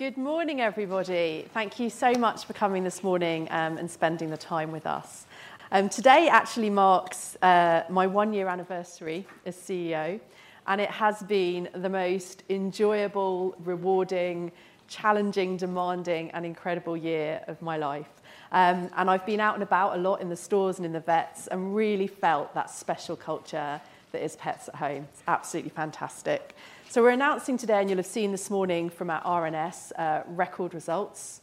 the Good morning, everybody. Thank you so much for coming this morning, and spending the time with us. Today actually marks my one-year anniversary as CEO, and it has been the most enjoyable, rewarding, challenging, demanding, and incredible year of my life. I've been out and about a lot in the stores and in the vets, and really felt that special culture that is Pets at Home. It's absolutely fantastic. We're announcing today, and you'll have seen this morning from our RNS, record results,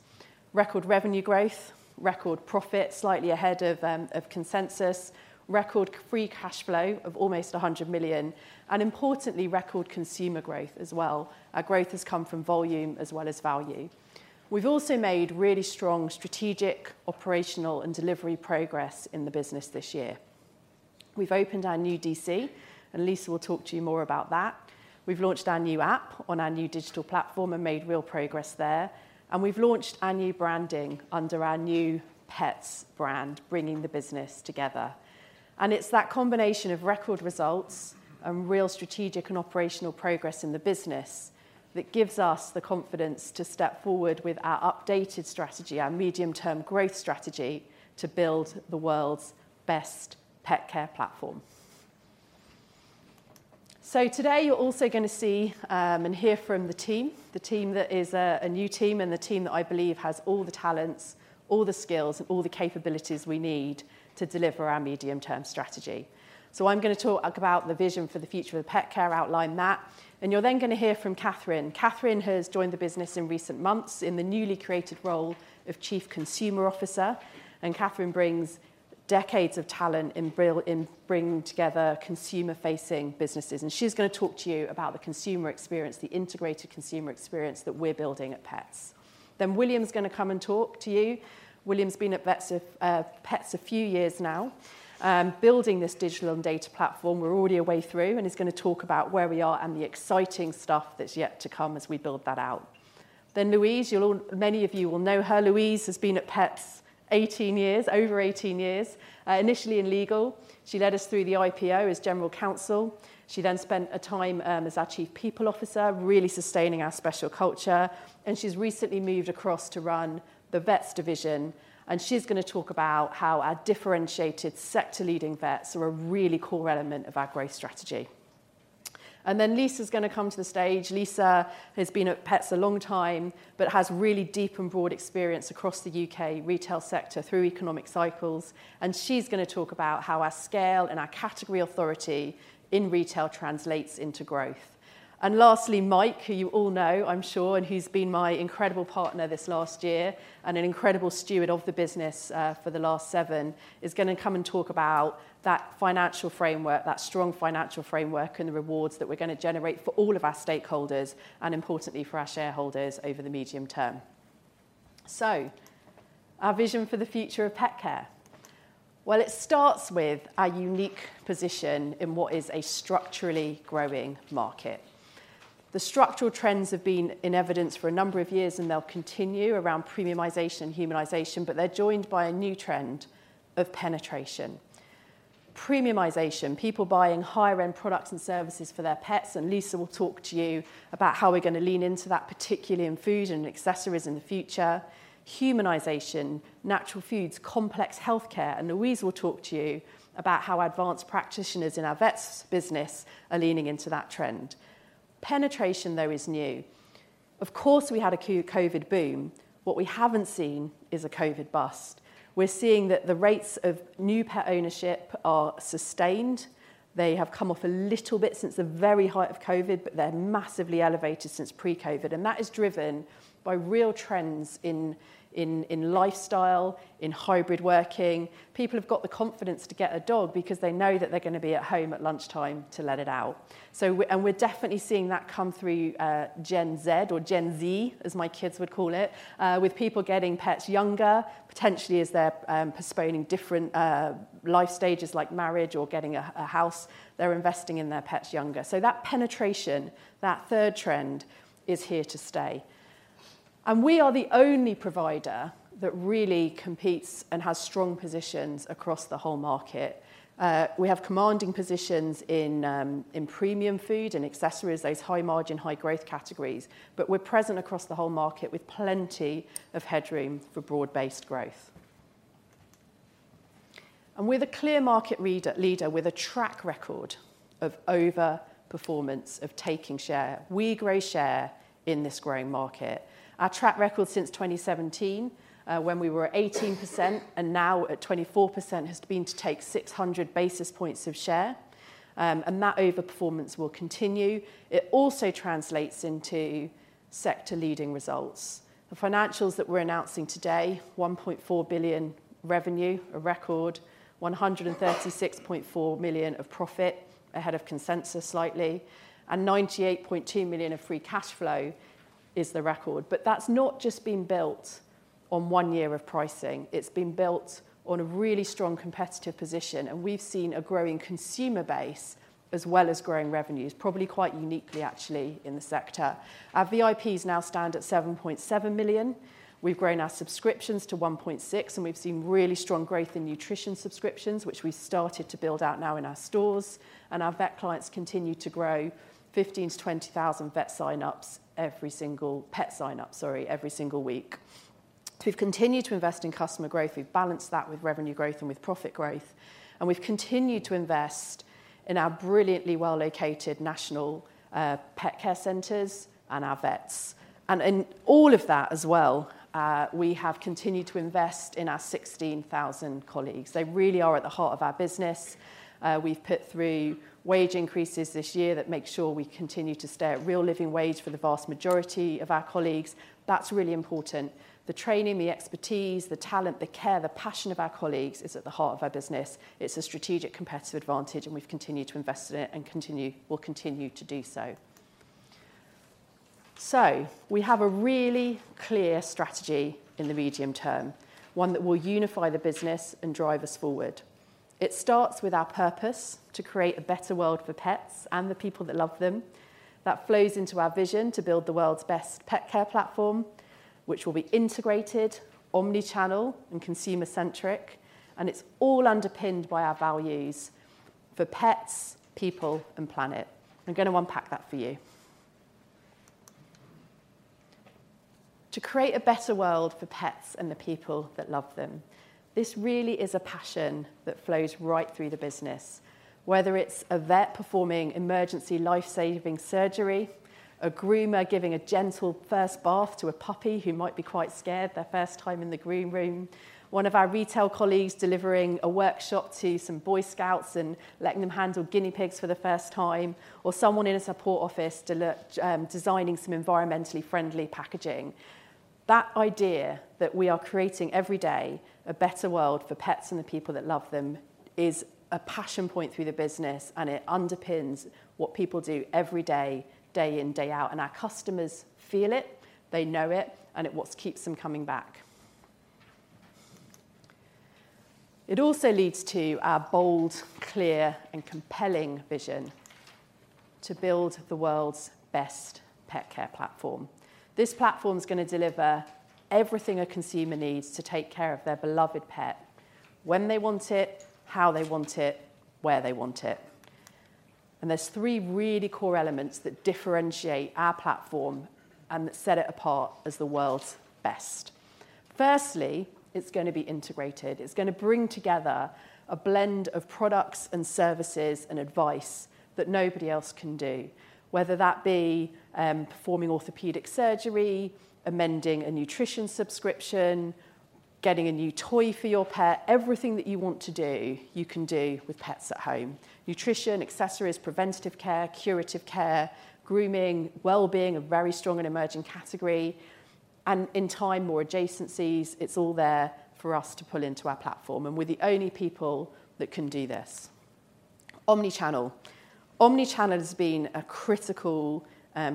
record revenue growth, record profit, slightly ahead of consensus, record free cash flow of almost 100 million, and importantly, record consumer growth as well. Our growth has come from volume as well as value. We've also made really strong strategic, operational, and delivery progress in the business this year. We've opened our new DC, and Lisa will talk to you more about that. We've launched our new app on our new digital platform and made real progress there, and we've launched our new branding under our new Pets brand, bringing the business together. It's that combination of record results and real strategic and operational progress in the business that gives us the confidence to step forward with our updated strategy, our medium-term growth strategy, to build the world's best pet care platform. Today, you're also gonna see and hear from the team, the team that is a new team, and the team that I believe has all the talents, all the skills, and all the capabilities we need to deliver our medium-term strategy. I'm gonna talk about the vision for the future of pet care, outline that, and you're then gonna hear from Kathryn. Kathryn has joined the business in recent months in the newly created role of Chief Consumer Officer. Kathryn brings decades of talent in bringing together consumer-facing businesses. She's gonna talk to you about the consumer experience, the integrated consumer experience that we're building at Pets. William's gonna come and talk to you. William's been at Vets4Pets a few years now, building this digital and data platform. We're already a way through. He's gonna talk about where we are and the exciting stuff that's yet to come as we build that out. Louise, many of you will know her. Louise has been at Pets 18 years, over 18 years, initially in legal. She led us through the IPO as general counsel. She then spent a time, as our Chief People Officer, really sustaining our special culture. She's recently moved across to run the Vets division. She's gonna talk about how our differentiated sector-leading Vets are a really core element of our growth strategy. Lisa's gonna come to the stage. Lisa has been at Pets at Home a long time. Has really deep and broad experience across the U.K. retail sector through economic cycles. She's gonna talk about how our scale and our category authority in retail translates into growth. Lastly, Mike, who you all know, I'm sure, and who's been my incredible partner this last year and an incredible steward of the business, for the last seven, is gonna come and talk about that financial framework, that strong financial framework, and the rewards that we're gonna generate for all of our stakeholders and importantly for our shareholders over the medium term. Our vision for the future of pet care. Well, it starts with our unique position in what is a structurally growing market. The structural trends have been in evidence for a number of years, and they'll continue around premiumization and humanization, but they're joined by a new trend of penetration. Premiumization, people buying higher-end products and services for their pets, and Lisa Miao will talk to you about how we're gonna lean into that, particularly in food and accessories in the future. Humanization, natural foods, complex healthcare, Louise will talk to you about how advanced practitioners in our vets business are leaning into that trend. Penetration, though, is new. Of course, we had a COVID boom. What we haven't seen is a COVID bust. We're seeing that the rates of new pet ownership are sustained. They have come off a little bit since the very height of COVID, but they're massively elevated since pre-COVID, that is driven by real trends in, in lifestyle, in hybrid working. People have got the confidence to get a dog because they know that they're gonna be at home at lunchtime to let it out. We're definitely seeing that come through, Gen Z, or Gen Z, as my kids would call it, with people getting pets younger, potentially as they're postponing different life stages like marriage or getting a house. They're investing in their pets younger. That penetration, that third trend, is here to stay. We are the only provider that really competes and has strong positions across the whole market. We have commanding positions in premium food and accessories, those high-margin, high-growth categories, but we're present across the whole market with plenty of headroom for broad-based growth. We're the clear market leader with a track record of over-performance, of taking share. We grow share in this growing market. Our track record since 2017, when we were at 18%, and now at 24%, has been to take 600 basis points of share, and that over-performance will continue. It also translates into sector-leading results. The financials that we're announcing today, 1.4 billion revenue, a record, 136.4 million of profit, ahead of consensus slightly, and 98.2 million of free cash flow is the record. That's not just been built on one year of pricing. It's been built on a really strong competitive position, and we've seen a growing consumer base as well as growing revenues, probably quite uniquely actually in the sector. Our VIPs now stand at 7.7 million. We've grown our subscriptions to 1.6 million. We've seen really strong growth in nutrition subscriptions, which we started to build out now in our stores. Our vet clients continue to grow 15,000-20,000 pet sign-ups, sorry, every single week. We've continued to invest in customer growth. We've balanced that with revenue growth and with profit growth. We've continued to invest in our brilliantly well-located national pet care centers and our vets. In all of that as well, we have continued to invest in our 16,000 colleagues. They really are at the heart of our business. We've put through wage increases this year that make sure we continue to stay at Real Living Wage for the vast majority of our colleagues. That's really important. The training, the expertise, the talent, the care, the passion of our colleagues is at the heart of our business. It's a strategic competitive advantage, and we've continued to invest in it, and we'll continue to do so. We have a really clear strategy in the medium term, one that will unify the business and drive us forward. It starts with our purpose: to create a better world for pets and the people that love them. That flows into our vision to build the world's best pet care platform, which will be integrated, omni-channel, and consumer-centric. It's all underpinned by our values for pets, people, and planet. I'm gonna unpack that for you. To create a better world for pets and the people that love them, this really is a passion that flows right through the business, whether it's a vet performing emergency life-saving surgery, a groomer giving a gentle first bath to a puppy who might be quite scared, their first time in the groom room, one of our retail colleagues delivering a workshop to some Boy Scouts and letting them handle guinea pigs for the first time, or someone in a support office designing some environmentally friendly packaging. That idea that we are creating every day a better world for pets and the people that love them is a passion point through the business, and it underpins what people do every day in, day out, and our customers feel it, they know it, and it's what keeps them coming back. It also leads to our bold, clear, and compelling vision to build the world's best pet care platform. This platform is gonna deliver everything a consumer needs to take care of their beloved pet, when they want it, how they want it, where they want it. There's three really core elements that differentiate our platform and that set it apart as the world's best. Firstly, it's gonna be integrated. It's gonna bring together a blend of products and services and advice that nobody else can do, whether that be performing orthopedic surgery, amending a nutrition subscription, getting a new toy for your pet. Everything that you want to do, you can do with Pets at Home. Nutrition, accessories, preventative care, curative care, grooming, well-being, a very strong and emerging category, and in time, more adjacencies, it's all there for us to pull into our platform, and we're the only people that can do this. Omni-channel. Omni-channel has been a critical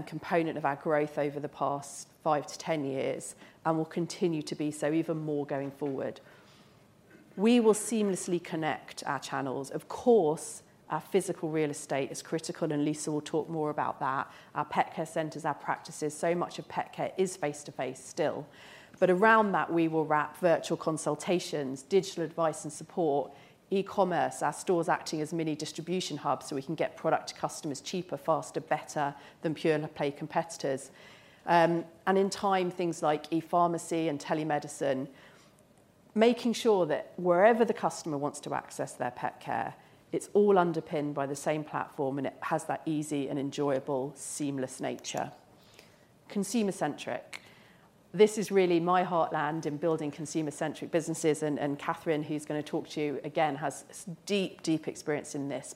component of our growth over the past 5-10 years, and will continue to be so even more going forward. We will seamlessly connect our channels. Of course, our physical real estate is critical, and Lisa will talk more about that, our pet care centers, our practices, so much of pet care is face-to-face still. Around that, we will wrap virtual consultations, digital advice and support, e-commerce, our stores acting as mini distribution hubs, so we can get product to customers cheaper, faster, better than pure play competitors. In time, things like e-pharmacy and telemedicine, making sure that wherever the customer wants to access their pet care, it's all underpinned by the same platform, and it has that easy and enjoyable, seamless nature. Consumer-centric. This is really my heartland in building consumer-centric businesses, and Kathryn, who's gonna talk to you, again, has deep, deep experience in this.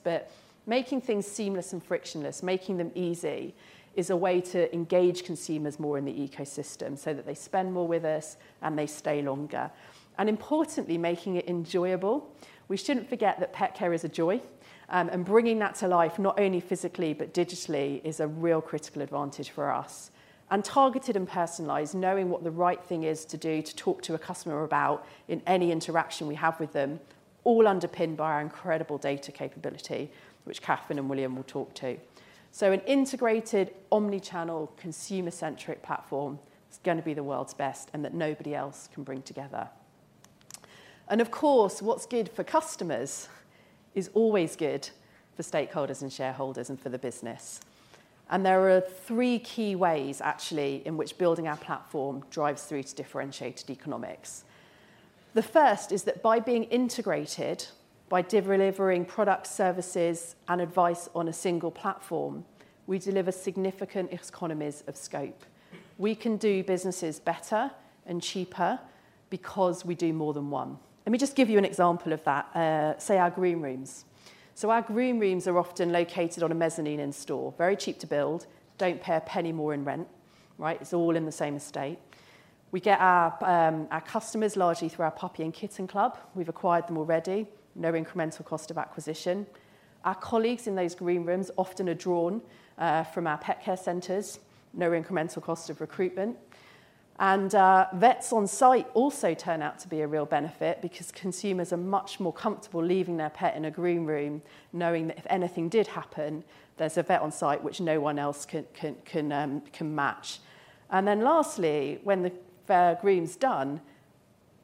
Making things seamless and frictionless, making them easy, is a way to engage consumers more in the ecosystem, so that they spend more with us, and they stay longer. Importantly, making it enjoyable. We shouldn't forget that pet care is a joy, and bringing that to life, not only physically, but digitally, is a real critical advantage for us. Targeted and personalized, knowing what the right thing is to do to talk to a customer about in any interaction we have with them, all underpinned by our incredible data capability, which Kathryn and William will talk to. An integrated, omni-channel, consumer-centric platform is going to be the world's best and that nobody else can bring together. Of course, what's good for customers is always good for stakeholders and shareholders and for the business. There are three key ways, actually, in which building our platform drives through to differentiated economics. The first is that by being integrated, by delivering products, services, and advice on a single platform, we deliver significant economies of scope. We can do businesses better and cheaper because we do more than one. Let me just give you an example of that, say, our groom rooms. Our groom rooms are often located on a mezzanine in-store. Very cheap to build, don't pay a penny more in rent, right? It's all in the same estate. We get our customers largely through our Puppy & Kitten Club. We've acquired them already, no incremental cost of acquisition. Our colleagues in those groom rooms often are drawn from our pet care centers, no incremental cost of recruitment. Vets on site also turn out to be a real benefit because consumers are much more comfortable leaving their pet in a groom room, knowing that if anything did happen, there's a vet on site which no one else can match. Lastly, when the groom's done,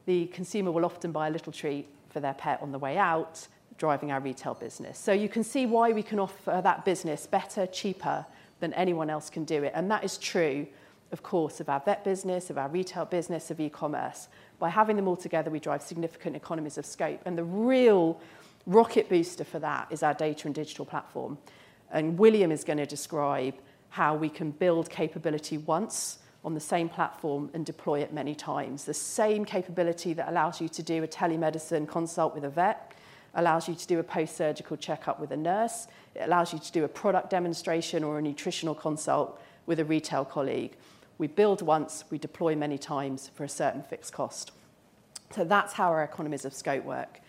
the consumer will often buy a little treat for their pet on the way out, driving our retail business. You can see why we can offer that business better, cheaper than anyone else can do it. That is true, of course, of our vet business, of our retail business, of e-commerce. By having them all together, we drive significant economies of scope, and the real rocket booster for that is our data and digital platform. William is gonna describe how we can build capability once on the same platform and deploy it many times. The same capability that allows you to do a telemedicine consult with a vet, allows you to do a post-surgical checkup with a nurse, it allows you to do a product demonstration or a nutritional consult with a retail colleague. We build once, we deploy many times for a certain fixed cost. That's how our economies of scope work.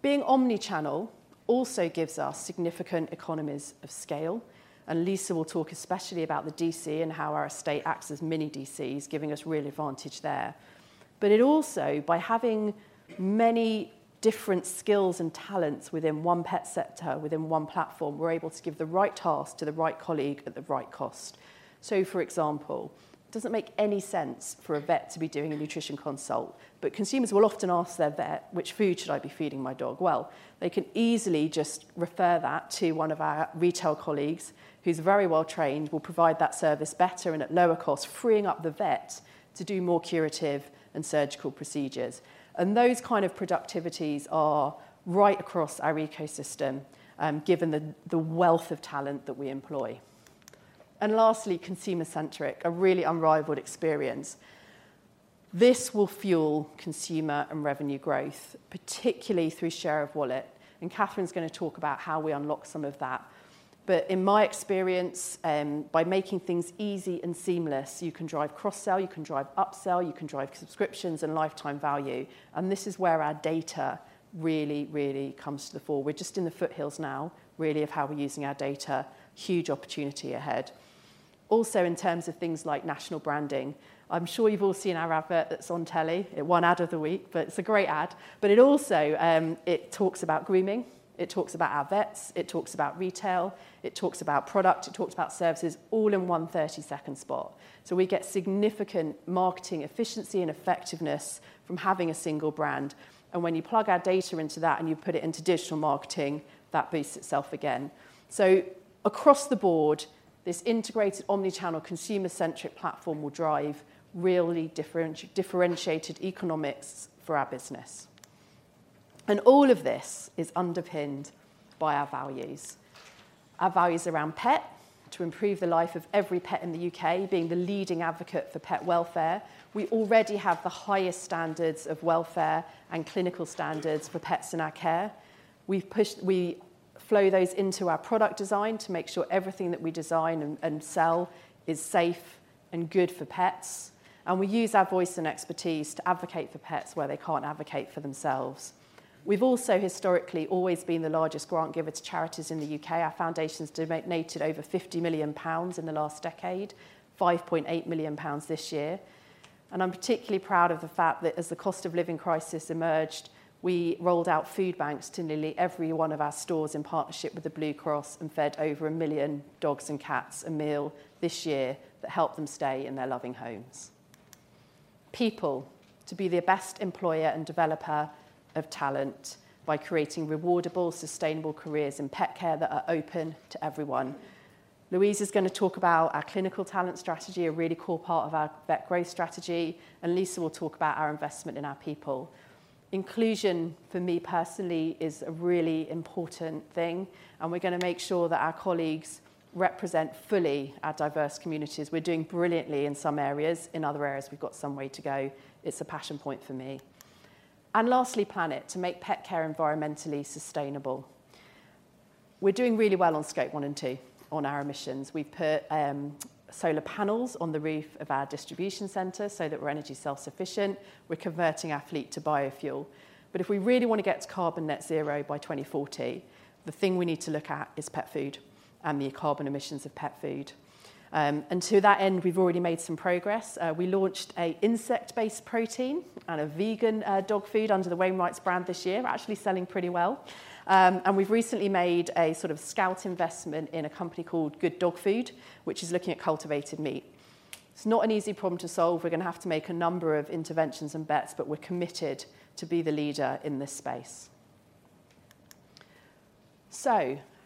Being omni-channel also gives us significant economies of scale, and Lisa will talk especially about the DC, and how our estate acts as mini DCs, giving us real advantage there. It also, by having many different skills and talents within one pet sector, within one platform, we're able to give the right task to the right colleague at the right cost. For example, it doesn't make any sense for a vet to be doing a nutrition consult, but consumers will often ask their vet, "Which food should I be feeding my dog?" Well, they can easily just refer that to one of our retail colleagues, who's very well trained, will provide that service better and at lower cost, freeing up the vet to do more curative and surgical procedures. Those kind of productivities are right across our ecosystem, given the wealth of talent that we employ. Lastly, consumer-centric, a really unrivaled experience. This will fuel consumer and revenue growth, particularly through share of wallet, Kathryn's gonna talk about how we unlock some of that. In my experience, by making things easy and seamless, you can drive cross-sell, you can drive upsell, you can drive subscriptions and lifetime value, and this is where our data really comes to the fore. We're just in the foothills now, really, of how we're using our data. Huge opportunity ahead. In terms of things like national branding, I'm sure you've all seen our advert that's on telly. It won Ad of the Week. It's a great ad. It also, it talks about grooming, it talks about our vets, it talks about retail, it talks about product, it talks about services, all in one thirty-second spot. We get significant marketing efficiency and effectiveness from having a single brand, and when you plug our data into that and you put it into digital marketing, that boosts itself again. Across the board, this integrated, omni-channel, consumer-centric platform will drive really differentiated economics for our business. All of this is underpinned by our values. Our values around pet, to improve the life of every pet in the U.K., being the leading advocate for pet welfare. We already have the highest standards of welfare and clinical standards for pets in our care. We flow those into our product design to make sure everything that we design and sell is safe and good for pets, and we use our voice and expertise to advocate for pets where they can't advocate for themselves. We've also historically always been the largest grant giver to charities in the U.K. Our foundation's donated over 50 million pounds in the last decade, 5.8 million pounds this year. I'm particularly proud of the fact that as the cost-of-living crisis emerged, we rolled out food banks to nearly every one of our stores in partnership with the Blue Cross and fed over 1 million dogs and cats a meal this year that helped them stay in their loving homes. People, to be the best employer and developer of talent by creating rewardable, sustainable careers in pet care that are open to everyone. Louise is gonna talk about our clinical talent strategy, a really core part of our vet growth strategy, and Lisa will talk about our investment in our people. Inclusion, for me personally, is a really important thing, and we're gonna make sure that our colleagues represent fully our diverse communities. We're doing brilliantly in some areas. In other areas, we've got some way to go. It's a passion point for me. Lastly, planet, to make pet care environmentally sustainable. We're doing really well on Scope 1 and 2 on our emissions. We've put solar panels on the roof of our distribution center so that we're energy self-sufficient. We're converting our fleet to biofuel. If we really wanna get to carbon net zero by 2040, the thing we need to look at is pet food and the carbon emissions of pet food. To that end, we've already made some progress. We launched a insect-based protein and a vegan dog food under the Wainwright's brand this year. Actually selling pretty well. We've recently made a sort of scout investment in a company called Good Dog Food, which is looking at cultivated meat. It's not an easy problem to solve. We're gonna have to make a number of interventions and bets, but we're committed to be the leader in this space.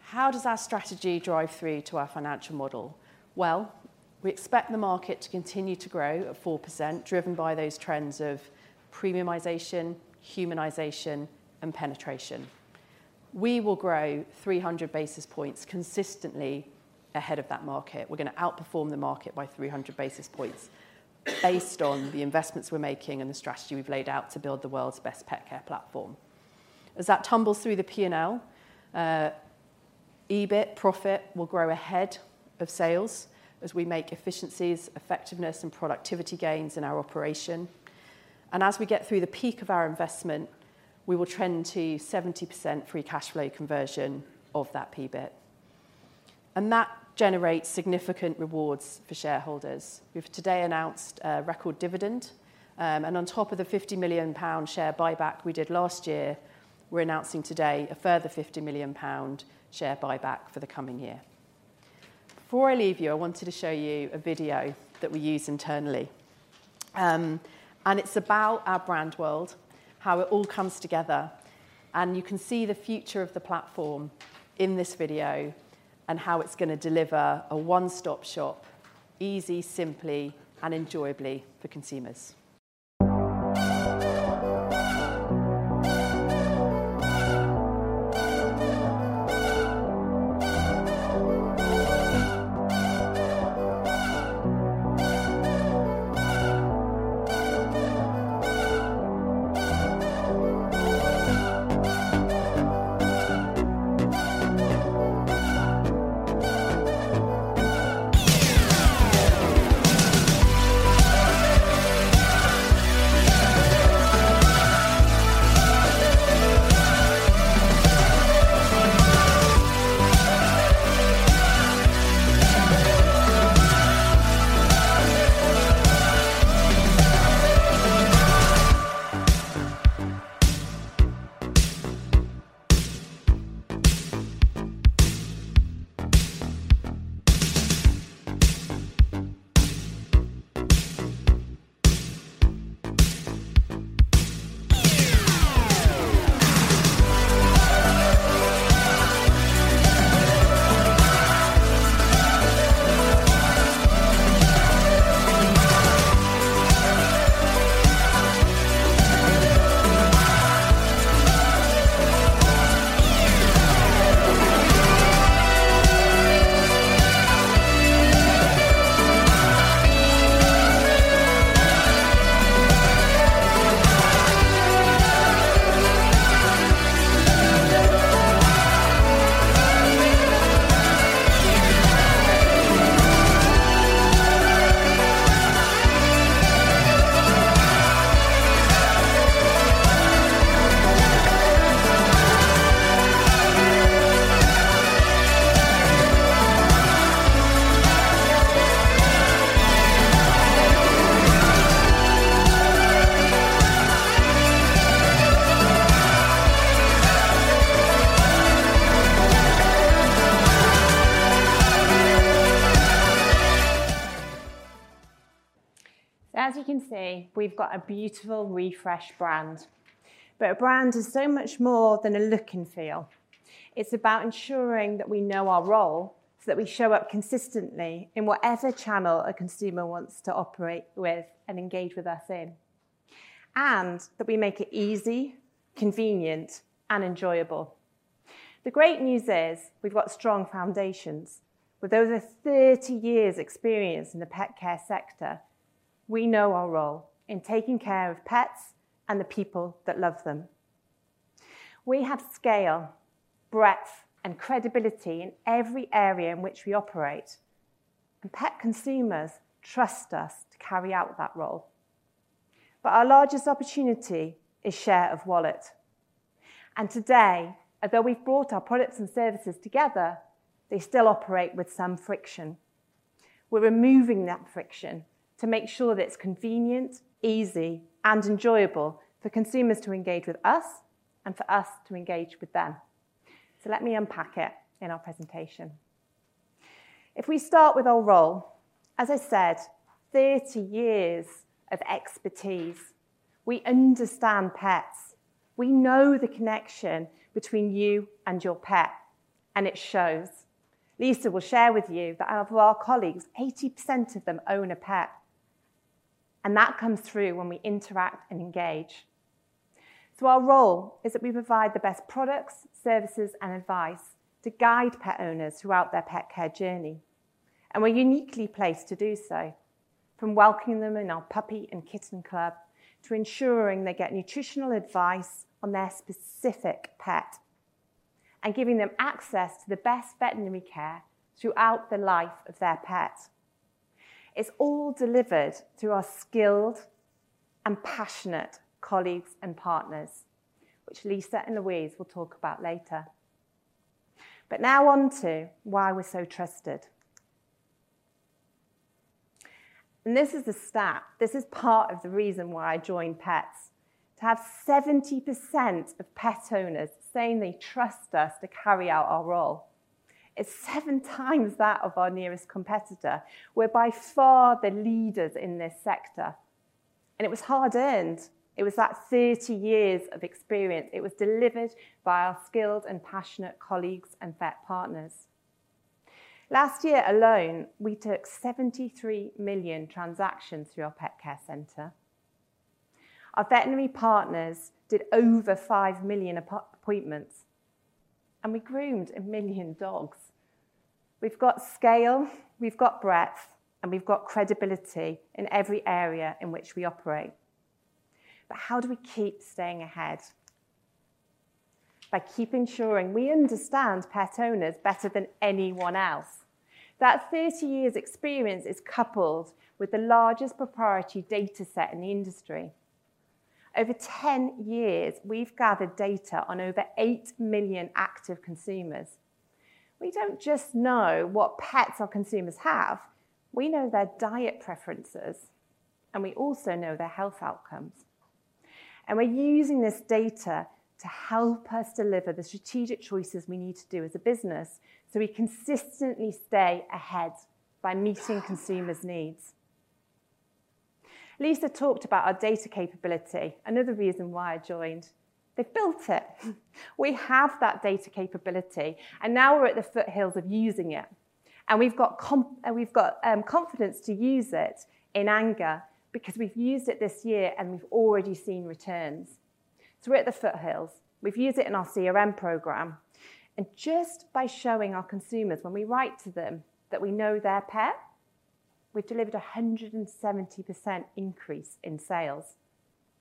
How does our strategy drive through to our financial model? Well, we expect the market to continue to grow at 4%, driven by those trends of premiumization, humanization, and penetration. We will grow 300 basis points consistently ahead of that market. We're gonna outperform the market by 300 basis points based on the investments we're making and the strategy we've laid out to build the world's best pet care platform. As that tumbles through the P&L, EBIT profit will grow ahead of sales as we make efficiencies, effectiveness, and productivity gains in our operation. As we get through the peak of our investment, we will trend to 70% free cash flow conversion of that PBIT. That generates significant rewards for shareholders. We've today announced a record dividend, and on top of the 50 million pound share buyback we did last year, we're announcing today a further 50 million pound share buyback for the coming year. Before I leave you, I wanted to show you a video that we use internally. It's about our brand world, how it all comes together, and you can see the future of the platform in this video and how it's gonna deliver a one-stop shop, easy, simply, and enjoyably for consumers. As you can see, we've got a beautiful, refreshed brand. A brand is so much more than a look and feel. It's about ensuring that we know our role, so that we show up consistently in whatever channel a consumer wants to operate with and engage with us in, and that we make it easy, convenient, and enjoyable. The great news is, we've got strong foundations. With over 30 years experience in the pet care sector, we know our role in taking care of pets and the people that love them. We have scale, breadth, and credibility in every area in which we operate. Pet consumers trust us to carry out that role. Our largest opportunity is share of wallet. Today, although we've brought our products and services together, they still operate with some friction. We're removing that friction to make sure that it's convenient, easy, and enjoyable for consumers to engage with us and for us to engage with them. Let me unpack it in our presentation. If we start with our role, as I said, 30 years of expertise, we understand pets. We know the connection between you and your pet. It shows. Lisa will share with you that out of our colleagues, 80% of them own a pet. That comes through when we interact and engage. Our role is that we provide the best products, services, and advice to guide pet owners throughout their pet care journey. We're uniquely placed to do so, from welcoming them in our Puppy & Kitten Club, to ensuring they get nutritional advice on their specific pet, and giving them access to the best veterinary care throughout the life of their pet. It's all delivered through our skilled and passionate colleagues and partners, which Lisa and Louise will talk about later. Now on to why we're so trusted. This is the stat, this is part of the reason why I joined Pets. To have 70% of pet owners saying they trust us to carry out our role, it's 7x that of our nearest competitor. We're by far the leaders in this sector. It was hard-earned. It was that 30 years of experience. It was delivered by our skilled and passionate colleagues and vet partners. Last year alone, we took 73 million transactions through our pet care center. Our veterinary partners did over 5 million appointments, and we groomed 1 million dogs. We've got scale, we've got breadth, and we've got credibility in every area in which we operate. How do we keep staying ahead? By keeping ensuring we understand pet owners better than anyone else. That 30 years experience is coupled with the largest proprietary data set in the industry. Over 10 years, we've gathered data on over 8 million active consumers. We don't just know what pets our consumers have, we know their diet preferences, and we also know their health outcomes. We're using this data to help us deliver the strategic choices we need to do as a business, so we consistently stay ahead by meeting consumers' needs. Lisa talked about our data capability, another reason why I joined. They've built it. We have that data capability, now we're at the foothills of using it, we've got confidence to use it in anger because we've used it this year, and we've already seen returns. We're at the foothills. We've used it in our CRM program, and just by showing our consumers, when we write to them, that we know their pet, we've delivered a 170% increase in sales.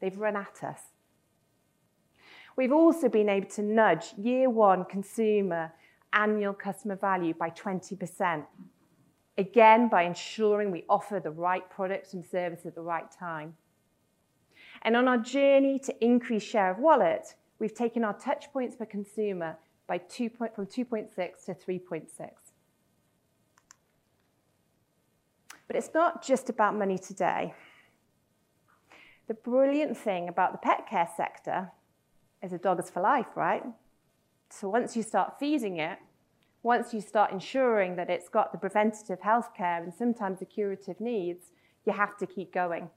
They've run at us. We've also been able to nudge year one consumer annual customer value by 20%, again, by ensuring we offer the right products and service at the right time. On our journey to increase share of wallet, we've taken our touchpoints per consumer from 2.6 to 3.6. It's not just about money today. The brilliant thing about the pet care sector is a dog is for life, right? Once you start feeding it, once you start ensuring that it's got the preventative healthcare and sometimes the curative needs, you have to keep going.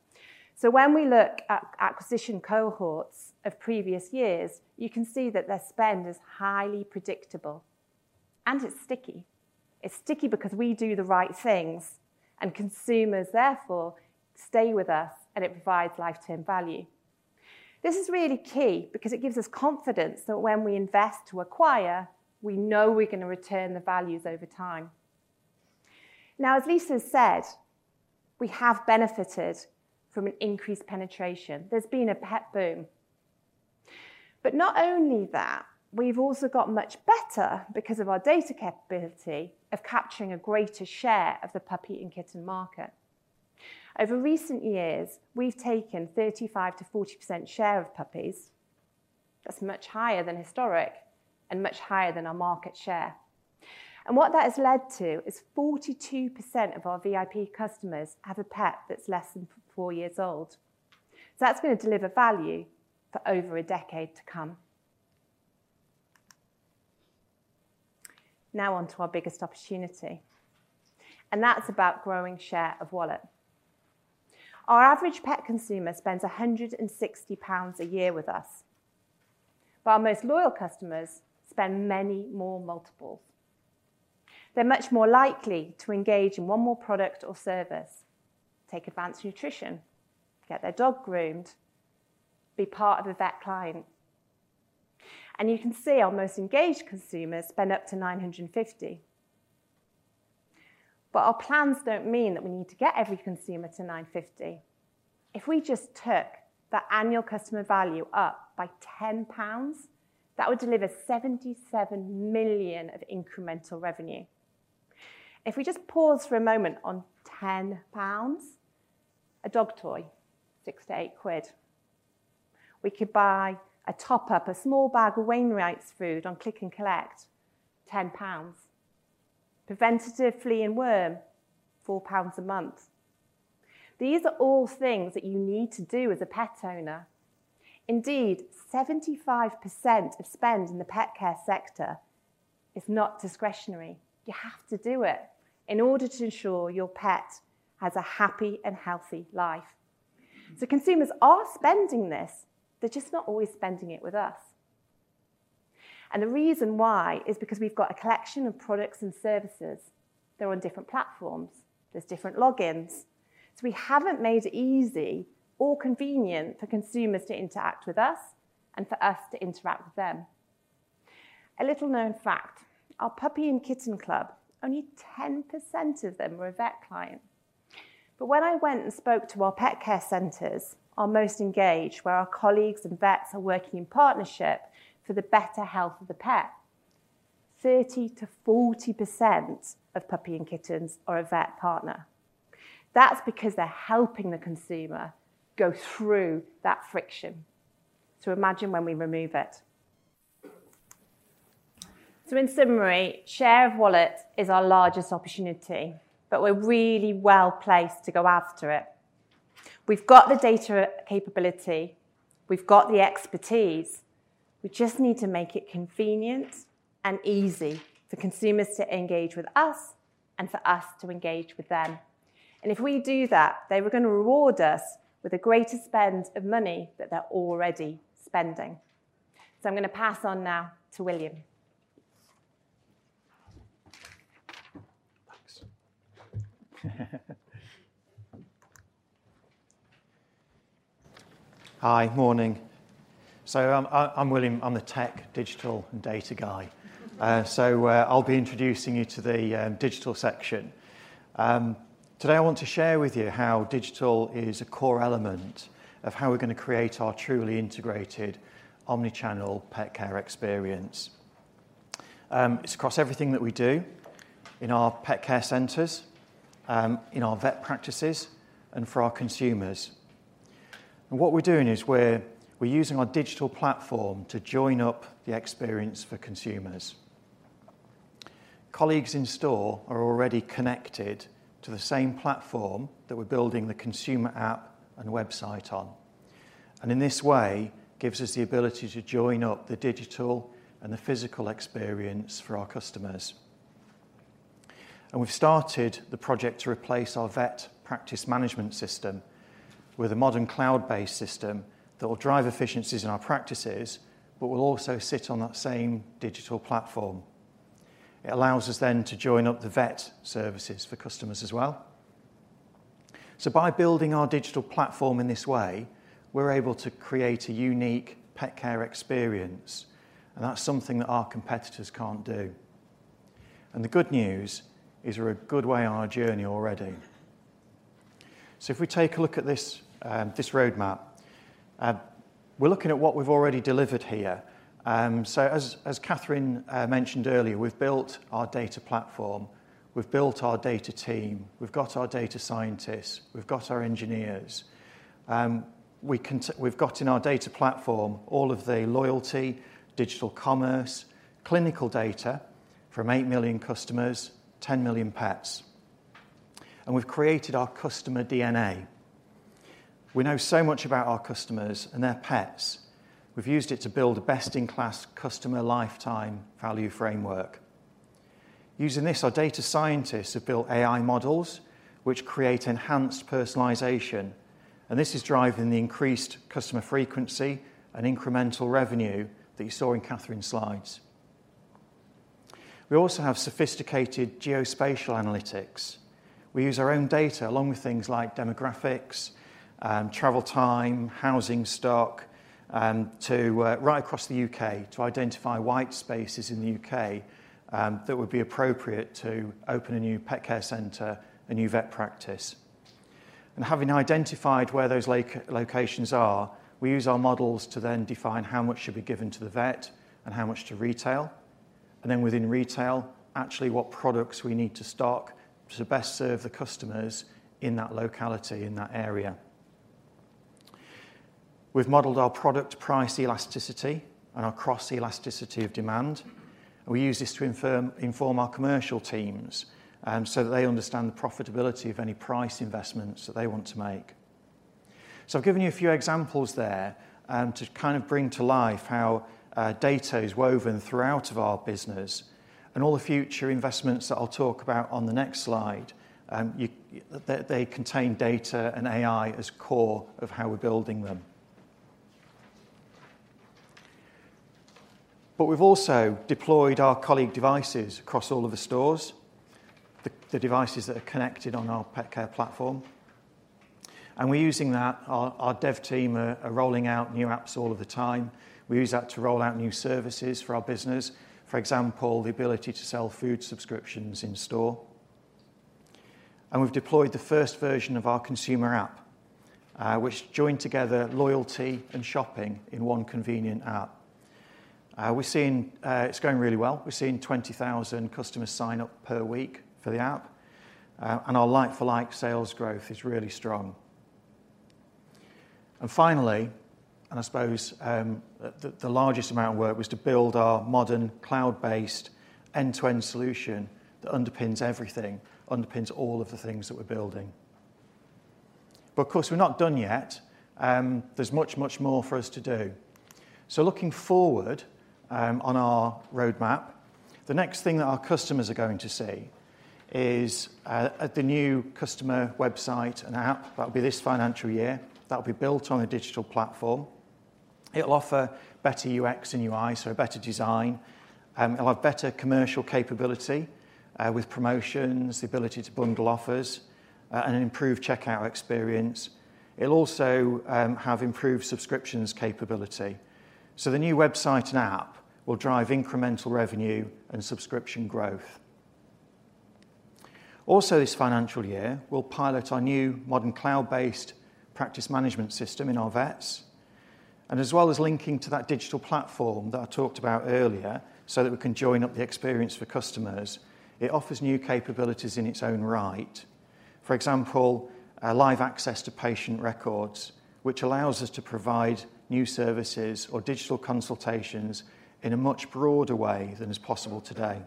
When we look at acquisition cohorts of previous years, you can see that their spend is highly predictable, and it's sticky. It's sticky because we do the right things, and consumers, therefore, stay with us, and it provides lifetime value. This is really key because it gives us confidence that when we invest to acquire, we know we're gonna return the values over time. As Lisa said, we have benefited from an increased penetration. There's been a pet boom. Not only that, we've also got much better because of our data capability of capturing a greater share of the puppy and kitten market. Over recent years, we've taken 35%-40% share of puppies. That's much higher than historic and much higher than our market share. What that has led to is 42% of our VIP customers have a pet that's less than four years old. That's gonna deliver value for over a decade to come. On to our biggest opportunity, and that's about growing share of wallet. Our average pet consumer spends 160 pounds a year with us, but our most loyal customers spend many more multiples. They're much more likely to engage in one more product or service, take advanced nutrition, get their dog groomed, be part of a vet client. You can see our most engaged consumers spend up to 950. Our plans don't mean that we need to get every consumer to 950. If we just took the annual customer value up by 10 pounds, that would deliver 77 million of incremental revenue. If we just pause for a moment on 10 pounds, a dog toy, 6-8 quid. We could buy a top-up, a small bag of Wainwright's food on Click & Collect, 10 pounds. Preventative flea and worm, 4 pounds a month. These are all things that you need to do as a pet owner. Indeed, 75% of spend in the pet care sector is not discretionary. You have to do it in order to ensure your pet has a happy and healthy life. Consumers are spending this, they're just not always spending it with us. The reason why is because we've got a collection of products and services that are on different platforms. There's different logins. We haven't made it easy or convenient for consumers to interact with us and for us to interact with them. A little-known fact: our Puppy & Kitten Club, only 10% of them were a vet client. When I went and spoke to our pet care centers, our most engaged, where our colleagues and vets are working in partnership for the better health of the pet, 30%-40% of puppy and kittens are a vet partner. That's because they're helping the consumer go through that friction. Imagine when we remove it. In summary, share of wallet is our largest opportunity, but we're really well-placed to go after it. We've got the data capability, we've got the expertise, we just need to make it convenient and easy for consumers to engage with us and for us to engage with them. If we do that, they are gonna reward us with a greater spend of money that they're already spending. I'm gonna pass on now to William. Thanks. Hi. Morning. I'm William. I'm the tech, digital, and data guy. I'll be introducing you to the digital section. Today I want to share with you how digital is a core element of how we're gonna create our truly integrated omni-channel pet care experience. It's across everything that we do in our pet care centers, in our vet practices, and for our consumers. What we're doing is we're using our digital platform to join up the experience for consumers. colleagues in store are already connected to the same platform that we're building the consumer app and website on, and in this way, gives us the ability to join up the digital and the physical experience for our customers. We've started the project to replace our practice management system with a modern cloud-based system that will drive efficiencies in our practices, but will also sit on that same digital platform. It allows us then to join up the vet services for customers as well. By building our digital platform in this way, we're able to create a unique pet care experience, and that's something that our competitors can't do. The good news is we're a good way on our journey already. If we take a look at this roadmap, we're looking at what we've already delivered here. As Kathryn mentioned earlier, we've built our data platform, we've built our data team, we've got our data scientists, we've got our engineers. We've got in our data platform all of the loyalty, digital commerce, clinical data from 8 million customers, 10 million pets, and we've created our customer DNA. We know so much about our customers and their pets. We've used it to build a best-in-class customer lifetime value framework. Using this, our data scientists have built AI models, which create enhanced personalization. This is driving the increased customer frequency and incremental revenue that you saw in Kathryn's slides. We also have sophisticated geospatial analytics. We use our own data, along with things like demographics, travel time, housing stock, to right across the U.K., to identify white spaces in the U.K., that would be appropriate to open a new pet care center, a new vet practice. Having identified where those locations are, we use our models to then define how much should be given to the vet and how much to retail, then within retail, actually what products we need to stock to best serve the customers in that locality, in that area. We've modeled our product price elasticity and our cross-elasticity of demand, and we use this to inform our commercial teams, so that they understand the profitability of any price investments that they want to make. I've given you a few examples there, to kind of bring to life how data is woven throughout of our business, all the future investments that I'll talk about on the next slide, they contain data and AI as core of how we're building them. We've also deployed our colleague devices across all of the stores, the devices that are connected on our pet care platform, and we're using that, our dev team are rolling out new apps all of the time. We use that to roll out new services for our business. For example, the ability to sell food subscriptions in store. We've deployed the first version of our consumer app, which joined together loyalty and shopping in one convenient app. We've seen, it's going really well. We've seen 20,000 customers sign up per week for the app, and our like-for-like sales growth is really strong. Finally, and I suppose, the largest amount of work was to build our modern, cloud-based, end-to-end solution that underpins everything, underpins all of the things that we're building. Of course, we're not done yet, there's much, much more for us to do. Looking forward, on our roadmap, the next thing that our customers are going to see is at the new customer website and app, that'll be this financial year, that will be built on a digital platform. It'll offer better UX and UI, so a better design. It'll have better commercial capability, with promotions, the ability to bundle offers, and improve checkout experience. It'll also have improved subscriptions capability. The new website and app will drive incremental revenue and subscription growth. This financial year, we'll pilot our new modern cloud-based practice management system in our vets, and as well as linking to that digital platform that I talked about earlier, so that we can join up the experience for customers, it offers new capabilities in its own right. For example, live access to patient records, which allows us to provide new services or digital consultations in a much broader way than is possible today.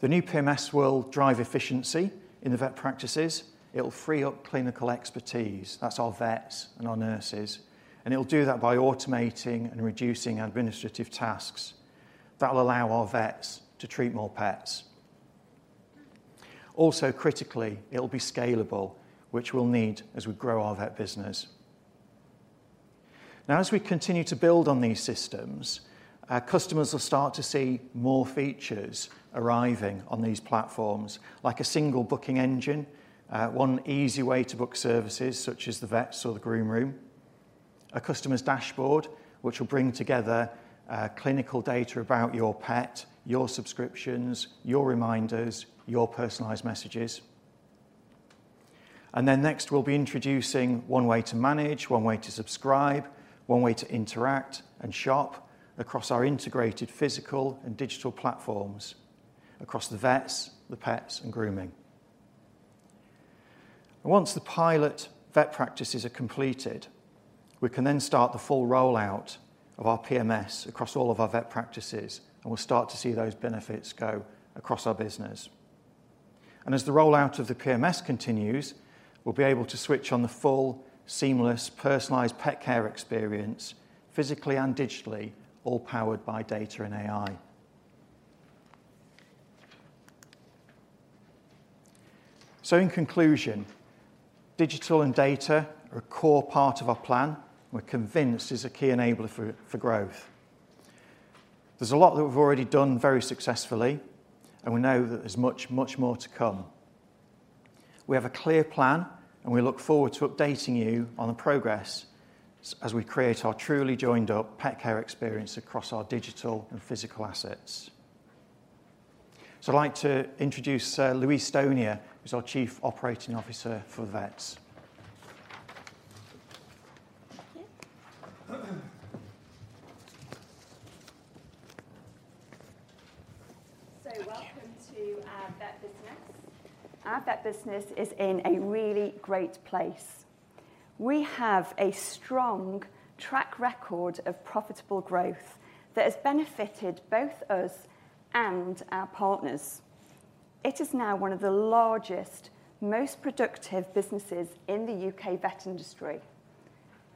The new PMS will drive efficiency in the vet practices. It'll free up clinical expertise, that's our vets and our nurses, and it'll do that by automating and reducing administrative tasks. That will allow our vets to treat more pets. Critically, it'll be scalable, which we'll need as we grow our vet business. Now, as we continue to build on these systems, our customers will start to see more features arriving on these platforms, like a single booking engine, one easy way to book services such as the vets or the Groom Room, a customer's dashboard, which will bring together clinical data about your pet, your subscriptions, your reminders, your personalized messages. Next, we'll be introducing one way to manage, one way to subscribe, one way to interact and shop across our integrated physical and digital platforms, across the vets, the pets, and grooming. Once the pilot vet practices are completed, we can then start the full rollout of our PMS across all of our vet practices, and we'll start to see those benefits go across our business. As the rollout of the PMS continues, we'll be able to switch on the full, seamless, personalized pet care experience, physically and digitally, all powered by data and AI. In conclusion, digital and data are a core part of our plan, and we're convinced is a key enabler for growth. There's a lot that we've already done very successfully, and we know that there's much, much more to come. We have a clear plan, and we look forward to updating you on the progress as we create our truly joined-up pet care experience across our digital and physical assets. I'd like to introduce Louise Stonier, who's our Chief Operating Officer for the vets. Thank you. Welcome to our Vet business. Our Vet business is in a really great place. We have a strong track record of profitable growth that has benefited both us and our partners. It is now one of the largest, most productive businesses in the U.K. vet industry.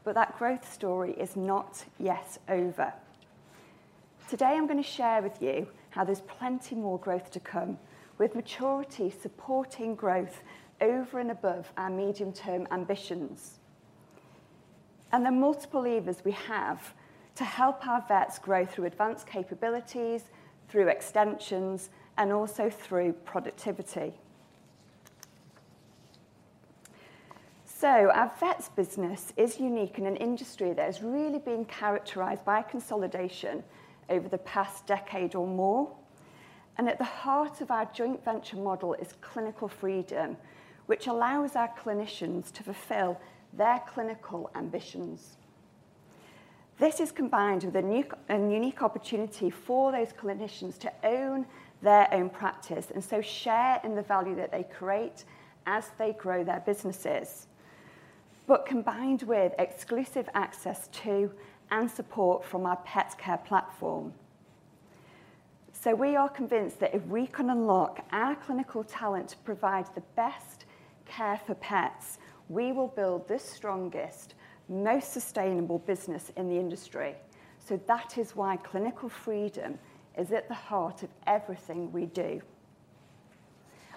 That growth story is not yet over. Today, I'm gonna share with you how there's plenty more growth to come, with maturity supporting growth over and above our medium-term ambitions. The multiple levers we have to help our Vets grow through advanced capabilities, through extensions, and also through productivity. Our Vets business is unique in an industry that has really been characterized by consolidation over the past decade or more, and at the heart of our joint venture model is clinical freedom, which allows our clinicians to fulfill their clinical ambitions. This is combined with a unique opportunity for those clinicians to own their own practice, share in the value that they create as they grow their businesses, but combined with exclusive access to and support from our pet care platform. We are convinced that if we can unlock our clinical talent to provide the best care for pets, we will build the strongest, most sustainable business in the industry. That is why clinical freedom is at the heart of everything we do.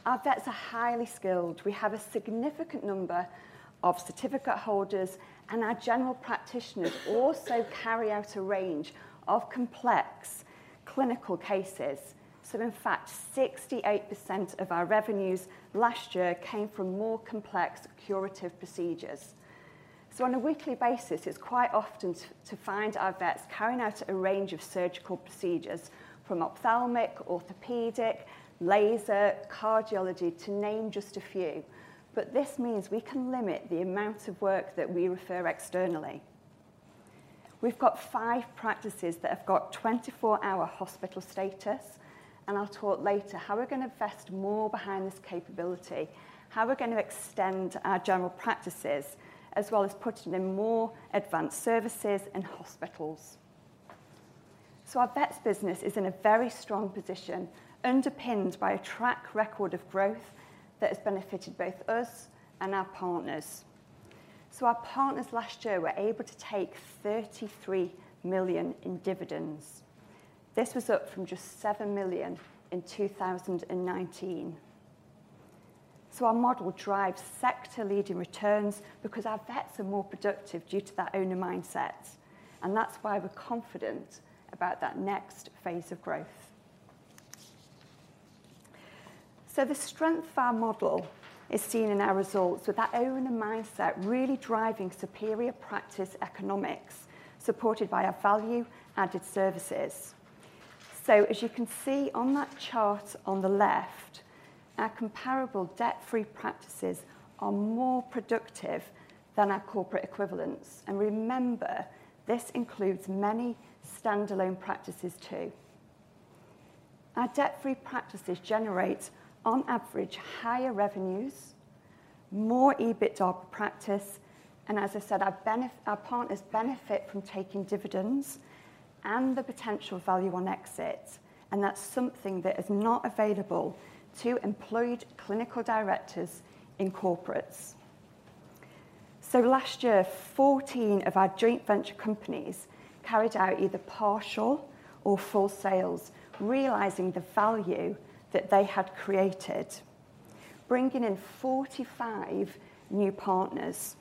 Our vets are highly skilled. We have a significant number of certificate holders, and our general practitioners also carry out a range of complex clinical cases. In fact, 68% of our revenues last year came from more complex curative procedures. On a weekly basis, it's quite often to find our vets carrying out a range of surgical procedures, from ophthalmic, orthopedic, laser, cardiology, to name just a few. This means we can limit the amount of work that we refer externally. We've got five practices that have got 24-hour hospital status, and I'll talk later how we're gonna invest more behind this capability, how we're going to extend our general practices, as well as putting in more advanced services and hospitals. Our vets business is in a very strong position, underpinned by a track record of growth that has benefited both us and our partners. Our partners last year were able to take 33 million in dividends. This was up from just 7 million in 2019. Our model drives sector-leading returns because our vets are more productive due to that owner mindset, and that's why we're confident about that next phase of growth. The strength of our model is seen in our results, with that owner mindset really driving superior practice economics, supported by our value-added services. As you can see on that chart on the left, our comparable debt-free practices are more productive than our corporate equivalents. Remember, this includes many standalone practices, too. Our debt-free practices generate, on average, higher revenues, more EBITDA per practice, and as I said, our partners benefit from taking dividends and the potential value on exit, and that's something that is not available to employed clinical directors in corporates. Last year, 14 of our joint venture companies carried out either partial or full sales, realizing the value that they had created, bringing in 45 new partners.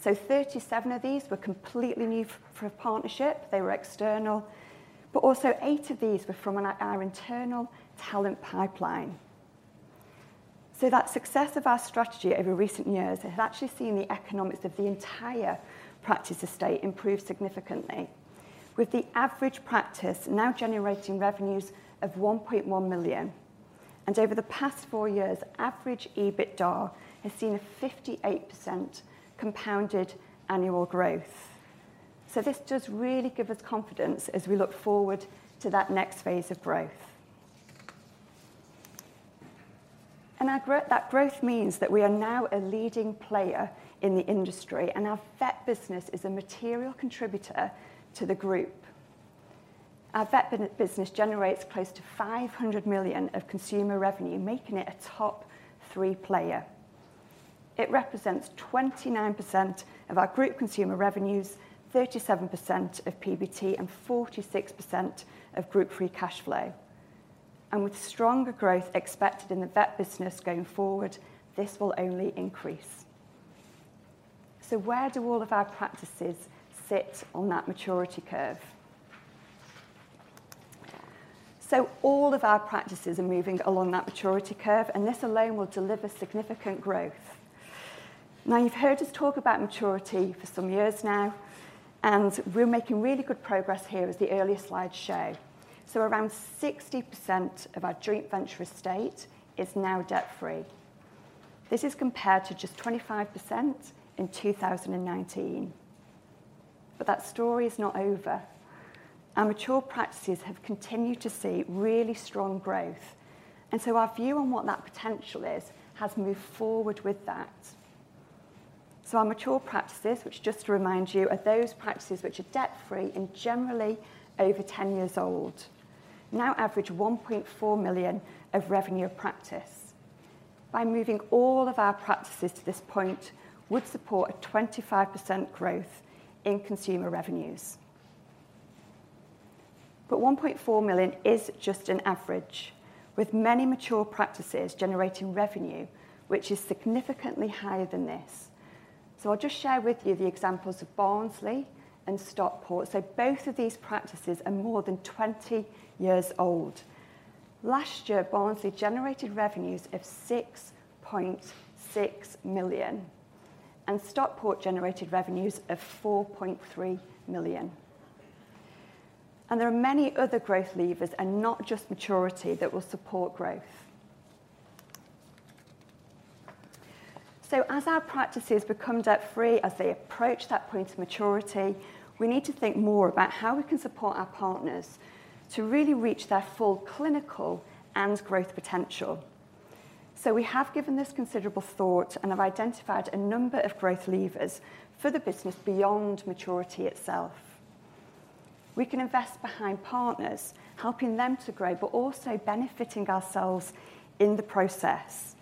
37 of these were completely new for a partnership, they were external, but also eight of these were from our internal talent pipeline. This success of our strategy over recent years has actually seen the economics of the entire practice estate improve significantly, with the average practice now generating revenues of 1.1 million. Over the past four years, average EBITDA has seen a 58% compounded annual growth. This does really give us confidence as we look forward to that next phase of growth. Our growth, that growth means that we are now a leading player in the industry, and our vet business is a material contributor to the Group. Our vet business generates close to 500 million of consumer revenue, making it a top-three player. It represents 29% of our group consumer revenues, 37% of PBT, and 46% of group free cash flow. With stronger growth expected in the vet business going forward, this will only increase. Where do all of our practices sit on that maturity curve? All of our practices are moving along that maturity curve, and this alone will deliver significant growth. Now, you've heard us talk about maturity for some years now, and we're making really good progress here, as the earlier slides show. Around 60% of our joint venture estate is now debt-free. This is compared to just 25% in 2019. That story is not over. Our mature practices have continued to see really strong growth, and so our view on what that potential is has moved forward with that. Our mature practices, which just to remind you, are those practices which are debt-free and generally over 10 years old, now average 1.4 million of revenue per practice. 1.4 million is just an average, with many mature practices generating revenue which is significantly higher than this. By moving all of our practices to this point, would support a 25% growth in consumer revenues. I'll just share with you the examples of Barnsley and Stockport. Both of these practices are more than 20 years old. Last year, Barnsley generated revenues of 6.6 million, and Stockport generated revenues of 4.3 million. There are many other growth levers, and not just maturity, that will support growth. As our practices become debt-free, as they approach that point of maturity, we need to think more about how we can support our partners to really reach their full clinical and growth potential. We have given this considerable thought and have identified a number of growth levers for the business beyond maturity itself. We can invest behind partners, helping them to grow, but also benefiting ourselves in the process.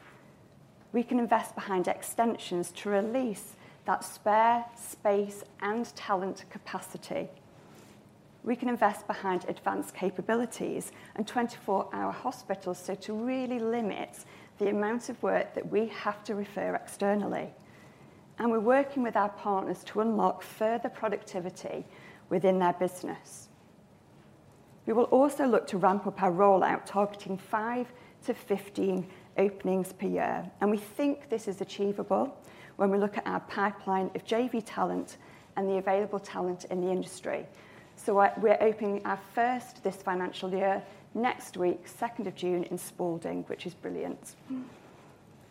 We can invest behind extensions to release that spare space and talent capacity. We can invest behind advanced capabilities and 24-hour hospitals, so to really limit the amount of work that we have to refer externally. We're working with our partners to unlock further productivity within their business. We will also look to ramp up our rollout, targeting 5-15 openings per year. We think this is achievable when we look at our pipeline of JV talent and the available talent in the industry. We're opening our first this financial year, next week, 2nd of June, in Spalding, which is brilliant.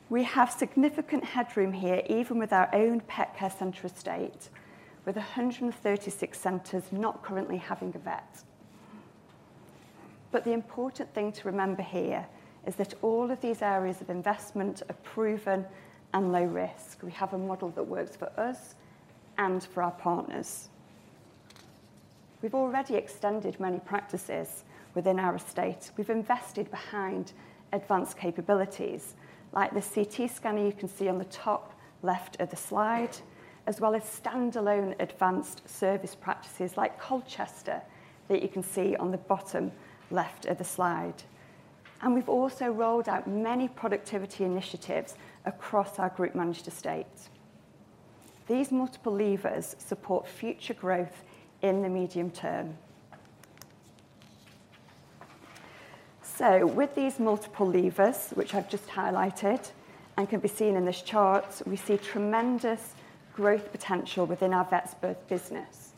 We have significant headroom here, even with our own pet care center estate, with 136 centers not currently having a vet. The important thing to remember here is that all of these areas of investment are proven and low risk. We have a model that works for us and for our partners. We've already extended many practices within our estate. We've invested behind advanced capabilities, like the CT scanner you can see on the top left of the slide, as well as standalone advanced service practices like Colchester, that you can see on the bottom left of the slide. We've also rolled out many productivity initiatives across our group-managed estate. These multiple levers support future growth in the medium term. With these multiple levers, which I've just highlighted and can be seen in this chart, we see tremendous growth potential within our Vets4Pets business.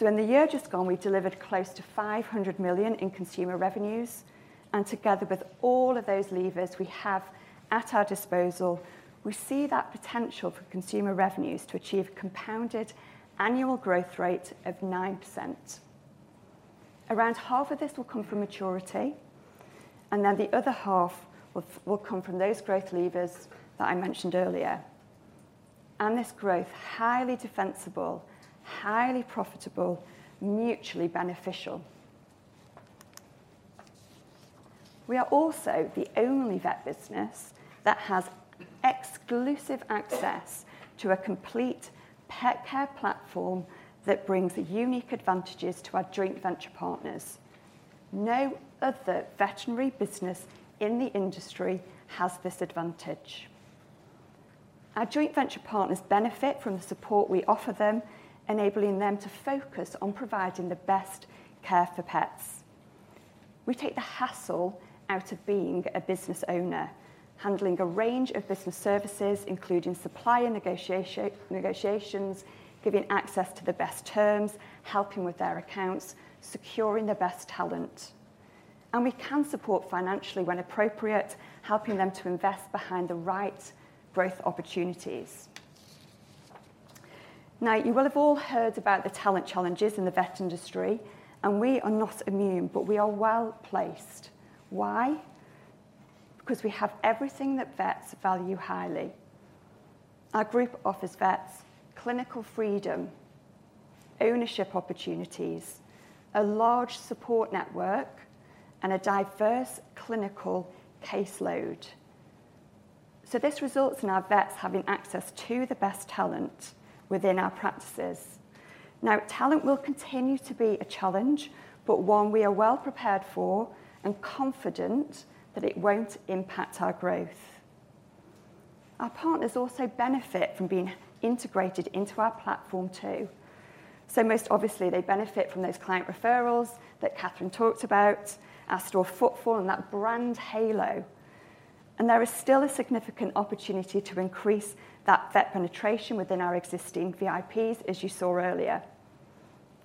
In the year just gone, we delivered close to 500 million in consumer revenues, and together with all of those levers we have at our disposal, we see that potential for consumer revenues to achieve CAGR of 9%. Around half of this will come from maturity, then the other half will come from those growth levers that I mentioned earlier. This growth, highly defensible, highly profitable, mutually beneficial. We are also the only vet business that has exclusive access to a complete pet care platform that brings unique advantages to our joint venture partners. No other veterinary business in the industry has this advantage. Our joint venture partners benefit from the support we offer them, enabling them to focus on providing the best care for pets. We take the hassle out of being a business owner, handling a range of business services, including supplier negotiations, giving access to the best terms, helping with their accounts, securing the best talent. We can support financially when appropriate, helping them to invest behind the right growth opportunities.... You will have all heard about the talent challenges in the vet industry, and we are not immune, but we are well-placed. Why? Because we have everything that vets value highly. Our group offers vets clinical freedom, ownership opportunities, a large support network, and a diverse clinical caseload. This results in our vets having access to the best talent within our practices. Talent will continue to be a challenge, but one we are well-prepared for and confident that it won't impact our growth. Our partners also benefit from being integrated into our platform, too. Most obviously, they benefit from those client referrals that Kathryn talked about, our store footfall, and that brand halo. There is still a significant opportunity to increase that vet penetration within our existing VIPs, as you saw earlier.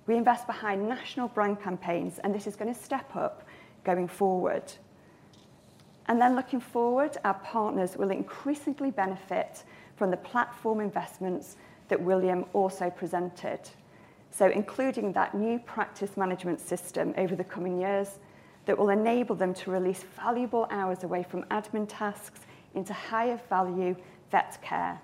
We invest behind national brand campaigns. This is gonna step up going forward. Looking forward, our partners will increasingly benefit from the platform investments that William also presented. Including that new practice management system over the coming years, that will enable them to release valuable hours away from admin tasks into higher value vet care.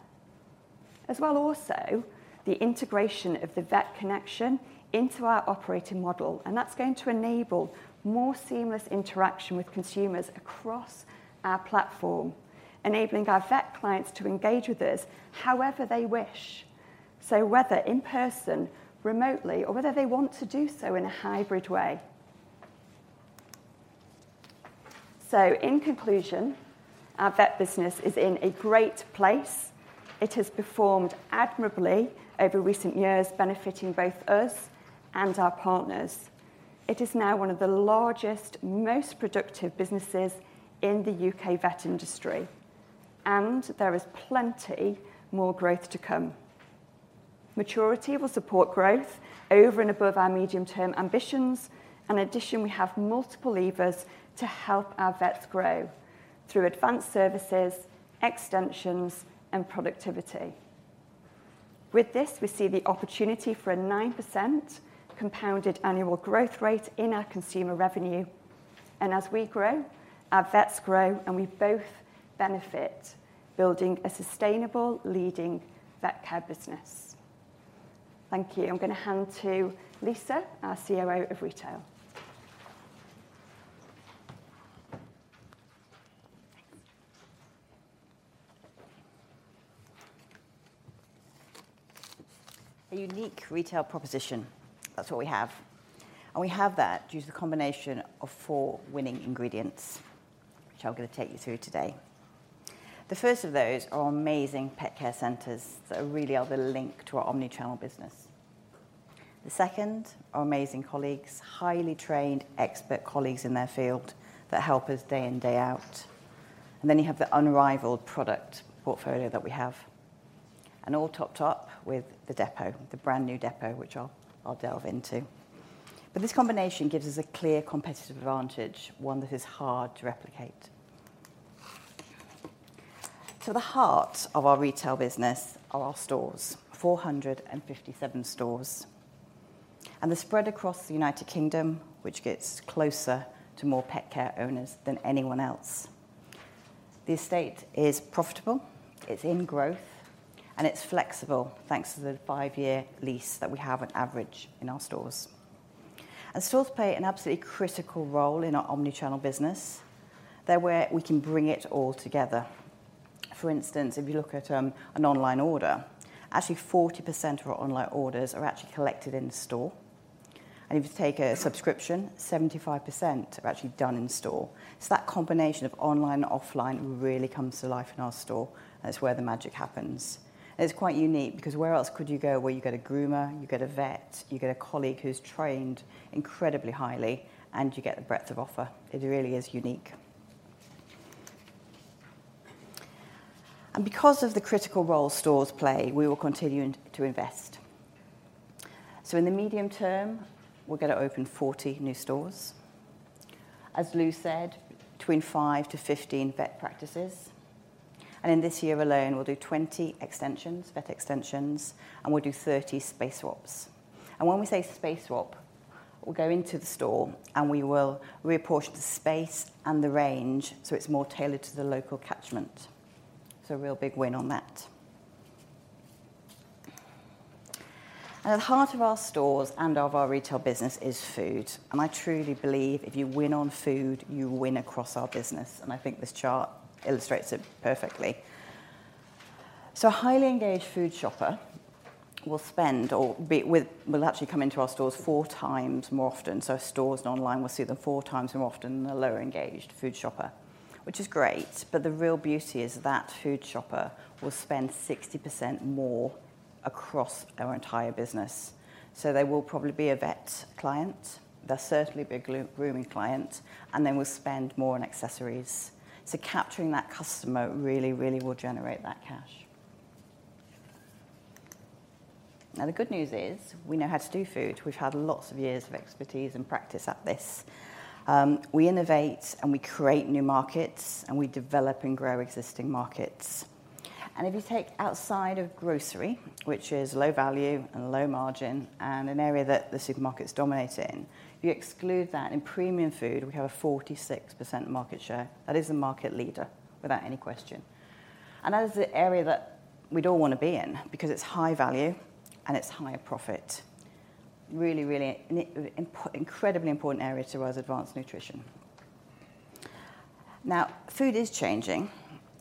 As well also, the integration of The Vet Connection into our operating model, and that's gonna enable more seamless interaction with consumers across our platform, enabling our vet clients to engage with us however they wish, so whether in person, remotely, or whether they want to do so in a hybrid way. In conclusion, our vet business is in a great place. It has performed admirably over recent years, benefiting both us and our partners. It is now one of the largest, most productive businesses in the U.K. vet industry, and there is plenty more growth to come. Maturity will support growth over and above our medium-term ambitions. In addition, we have multiple levers to help our vets grow through advanced services, extensions, and productivity. With this, we see the opportunity for a 9% compounded annual growth rate in our consumer revenue, and as we grow, our vets grow, and we both benefit, building a sustainable leading vet care business. Thank you. I'm gonna hand to Lisa, our COO of Retail. A unique retail proposition, that's what we have. We have that due to the combination of four winning ingredients, which I'm gonna take you through today. The first of those are our amazing pet care centers that really are the link to our omnichannel business. The second, our amazing colleagues, highly trained expert colleagues in their field that help us day in, day out. You have the unrivaled product portfolio that we have, and all topped up with the depot, the brand-new depot, which I'll delve into. This combination gives us a clear competitive advantage, one that is hard to replicate. The heart of our retail business are our stores, 457 stores, and they're spread across the U.K., which gets closer to more pet care owners than anyone else. The estate is profitable, it's in growth, and it's flexible, thanks to the five-year lease that we have on average in our stores. Stores play an absolutely critical role in our omni-channel business. They're where we can bring it all together. For instance, if you look at an online order, actually 40% of our online orders are actually collected in the store. If you take a subscription, 75% are actually done in store. That combination of online and offline really comes to life in our store. That's where the magic happens. It's quite unique, because where else could you go where you get a groomer, you get a vet, you get a colleague who's trained incredibly highly, and you get the breadth of offer? It really is unique. Because of the critical role stores play, we will continue to invest. In the medium term, we're going to open 40 new stores. As Lou said, between 5-15 vet practices, and in this year alone, we'll do 20 extensions, vet extensions, and we'll do 30 space swaps. When we say space swap, we'll go into the store, and we will reapportion the space and the range, so it's more tailored to the local catchment. A real big win on that. At the heart of our stores and of our retail business is food, and I truly believe if you win on food, you win across our business, and I think this chart illustrates it perfectly. A highly engaged food shopper will spend or will actually come into our stores 4 times more often. Stores and online, we'll see them 4 times more often than a lower engaged food shopper, which is great. The real beauty is that food shopper will spend 60% more across our entire business. They will probably be a vet client, they'll certainly be a grooming client, and they will spend more on accessories. Capturing that customer really will generate that cash. The good news is, we know how to do food. We've had lots of years of expertise and practice at this. We innovate, we create new markets, we develop and grow existing markets. If you take outside of grocery, which is low value and low margin, and an area that the supermarkets dominate in, if you exclude that, in premium food, we have a 46% market share. That is the market leader without any question. That is the area that we'd all wanna be in, because it's high value and it's high profit. Really, really incredibly important area to us, advanced nutrition. Food is changing.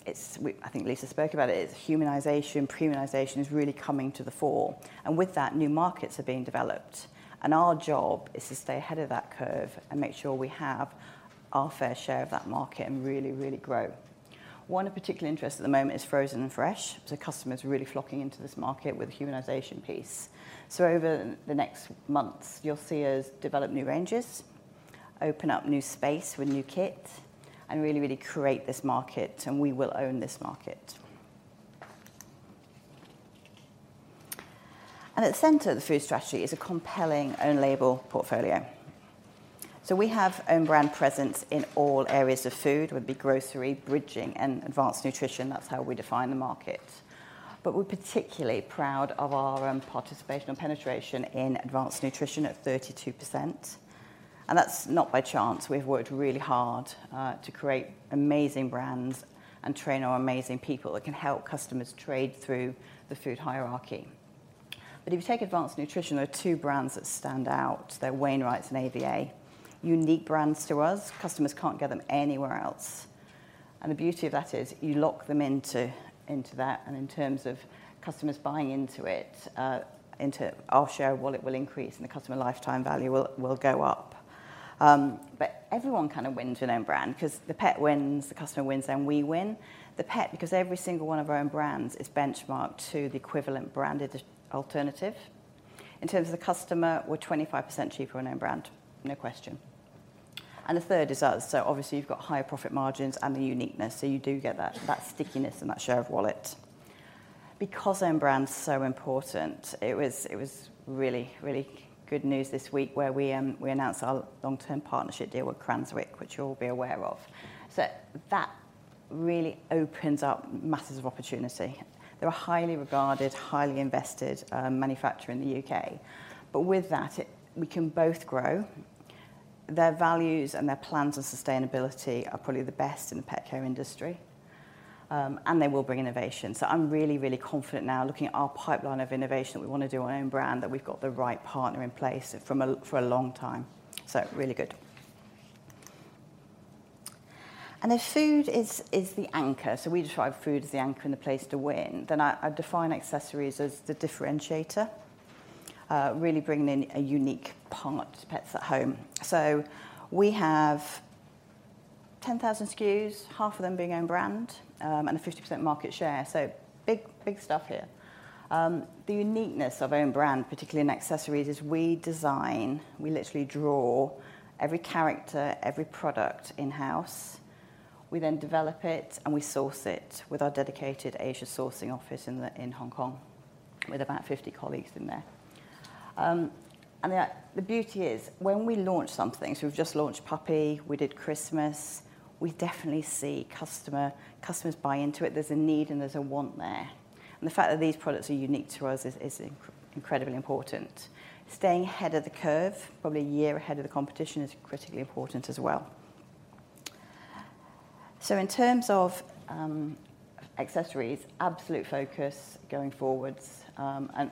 It's, I think Lisa spoke about it, is humanization, premiumization is really coming to the fore, and with that, new markets are being developed. Our job is to stay ahead of that curve and make sure we have our fair share of that market and really, really grow. One of particular interest at the moment is frozen and fresh. Customers are really flocking into this market with the humanization piece. Over the next months, you'll see us develop new ranges, open up new space with new kit, and really, really create this market, and we will own this market. At the center of the food strategy is a compelling own label portfolio. We have own brand presence in all areas of food, would be grocery, bridging, and advanced nutrition. That's how we define the market. We're particularly proud of our participation and penetration in advanced nutrition at 32%, and that's not by chance. We've worked really hard to create amazing brands and train our amazing people that can help customers trade through the food hierarchy. If you take advanced nutrition, there are two brands that stand out. They're Wainwright and AVA, unique brands to us. Customers can't get them anywhere else. The beauty of that is, you lock them into that, and in terms of customers buying into it, into our share of wallet will increase, and the customer lifetime value will go up. Everyone kind of wins in own brand, 'cause the pet wins, the customer wins, and we win. The pet, because every single one of our own brands is benchmarked to the equivalent branded alternative. In terms of the customer, we're 25% cheaper on own brand, no question. The third is us, so obviously, you've got higher profit margins and the uniqueness, so you do get that stickiness and that share of wallet. Own brand's so important, it was really good news this week where we announced our long-term partnership deal with Cranswick, which you'll be aware of. That really opens up masses of opportunity. They're a highly regarded, highly invested manufacturer in the U.K. With that, we can both grow. Their values and their plans on sustainability are probably the best in the pet care industry, and they will bring innovation. I'm really, really confident now, looking at our pipeline of innovation, that we wanna do our own brand, that we've got the right partner in place for a long time. Really good. And if food is the anchor, we describe food as the anchor and the place to win, then I define accessories as the differentiator, really bringing in a unique part to Pets at Home. We have 10,000 SKUs, half of them being own brand, and a 50% market share. Big, big stuff here. The uniqueness of own brand, particularly in accessories, is we design, we literally draw every character, every product in-house. We then develop it, and we source it with our dedicated Asia sourcing office in Hong Kong, with about 50 colleagues in there. The beauty is, when we launch something, so we've just launched Puppy, we did Christmas, we definitely see customers buy into it. There's a need and there's a want there. The fact that these products are unique to us is incredibly important. Staying ahead of the curve, probably one year ahead of the competition, is critically important as well. In terms of accessories, absolute focus going forwards, and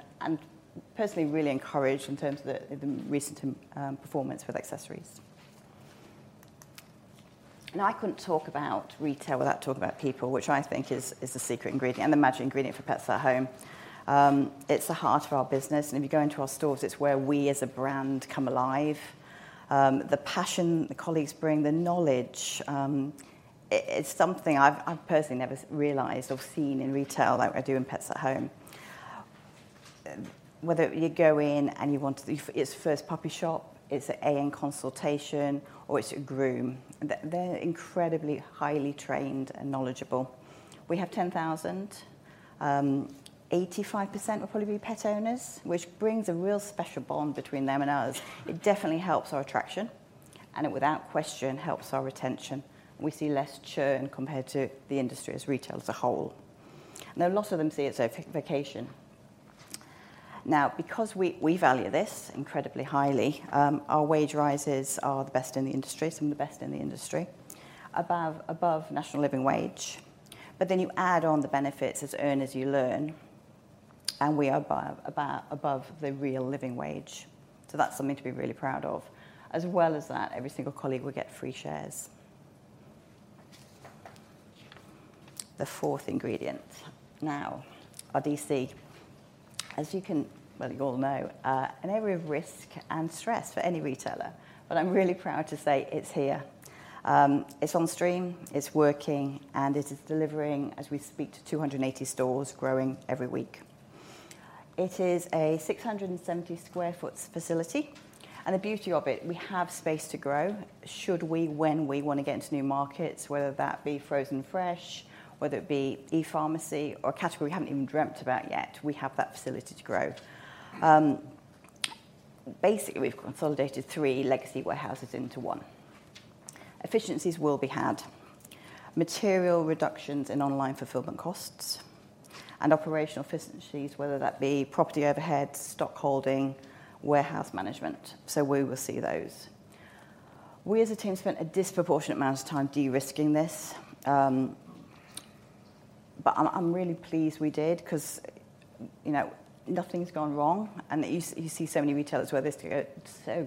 personally really encouraged in terms of the recent performance with accessories. I couldn't talk about retail without talking about people, which I think is the secret ingredient and the magic ingredient for Pets at Home. It's the heart of our business, and if you go into our stores, it's where we, as a brand, come alive. The passion the colleagues bring, the knowledge, it's something I've personally never realized or seen in retail like I do in Pets at Home. Whether you go in and it's first puppy shop, it's an AVA consultation, or it's a groom, they're incredibly highly trained and knowledgeable. We have 10,000, 85% will probably be pet owners, which brings a real special bond between them and us. It definitely helps our attraction, and it, without question, helps our retention. We see less churn compared to the industry as retail as a whole. A lot of them see it as a vacation. Because we value this incredibly highly, our wage rises are the best in the industry, some of the best in the industry, above National Living Wage. You add on the benefits as earn as you learn, and we are above, about, above the Real Living Wage. That's something to be really proud of. As well as that, every single colleague will get free shares. The fourth ingredient. Our DC, as you can... well, you all know, an area of risk and stress for any retailer, but I'm really proud to say it's here. It's on stream, it's working, and it is delivering, as we speak, to 280 stores, growing every week. It is a 670 sq ft facility, and the beauty of it, we have space to grow. Should we, when we wanna get into new markets, whether that be frozen fresh, whether it be e-pharmacy or a category we haven't even dreamt about yet, we have that facility to grow. We've consolidated three legacy warehouses into one. Efficiencies will be had, material reductions in online fulfillment costs, and operational efficiencies, whether that be property overheads, stockholding, warehouse management. We will see those. We as a team spent a disproportionate amount of time de-risking this. I'm really pleased we did, 'cause, you know, nothing's gone wrong, and you see so many retailers where this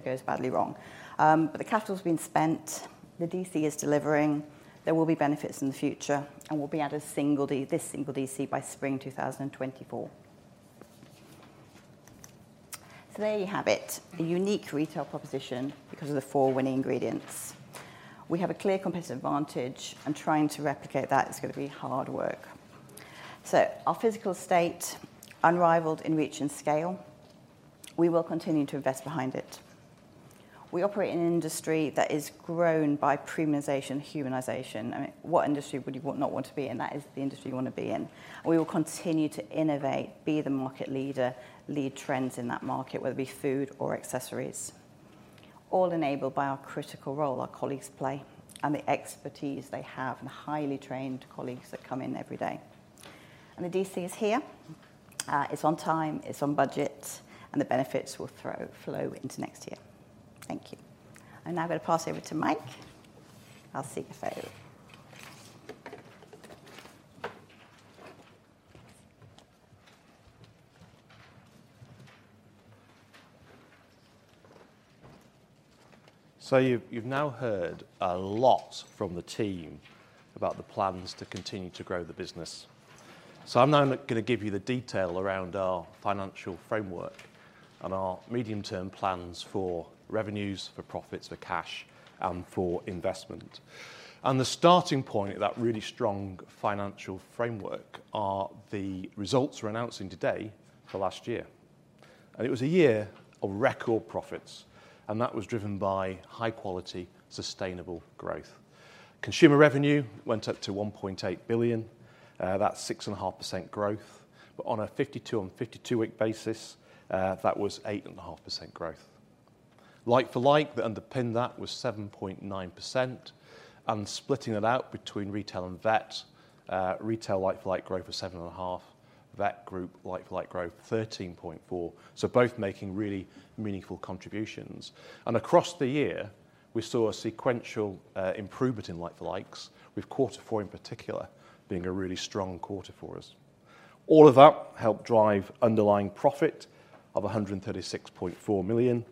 goes badly wrong. The capital's been spent, the DC is delivering, there will be benefits in the future, and we'll be out of this single DC by spring 2024. There you have it, a unique retail proposition because of the four winning ingredients. We have a clear competitive advantage. Trying to replicate that is going to be hard work. Our physical state, unrivaled in reach and scale, we will continue to invest behind it. We operate in an industry that is grown by premiumization, humanization. I mean, what industry would you not want to be in? That is the industry you want to be in. We will continue to innovate, be the market leader, lead trends in that market, whether it be food or accessories, all enabled by our critical role our colleagues play and the expertise they have, and the highly trained colleagues that come in every day. The DC is here, it's on time, it's on budget, and the benefits will flow into next year. Thank you. I'm now going to pass over to Mike, our CFO. You've now heard a lot from the team about the plans to continue to grow the business. I'm now going to give you the detail around our financial framework and our medium-term plans for revenues, for profits, for cash, and for investment. The starting point of that really strong financial framework are the results we're announcing today for last year. It was a year of record profits, and that was driven by high-quality, sustainable growth. Consumer revenue went up to 1.8 billion, that's 6.5% growth, but on a 52 and 52-week basis, that was 8.5% growth. Like-for-like, that underpinned that was 7.9%. Splitting it out between retail and vet, retail like-for-like growth of 7.5%, vet group like-for-like growth, 13.4%, so both making really meaningful contributions. Across the year, we saw a sequential improvement in like-for-likes, with Q4, in particular, being a really strong quarter for us. All of that helped drive underlying profit of 136.4 million.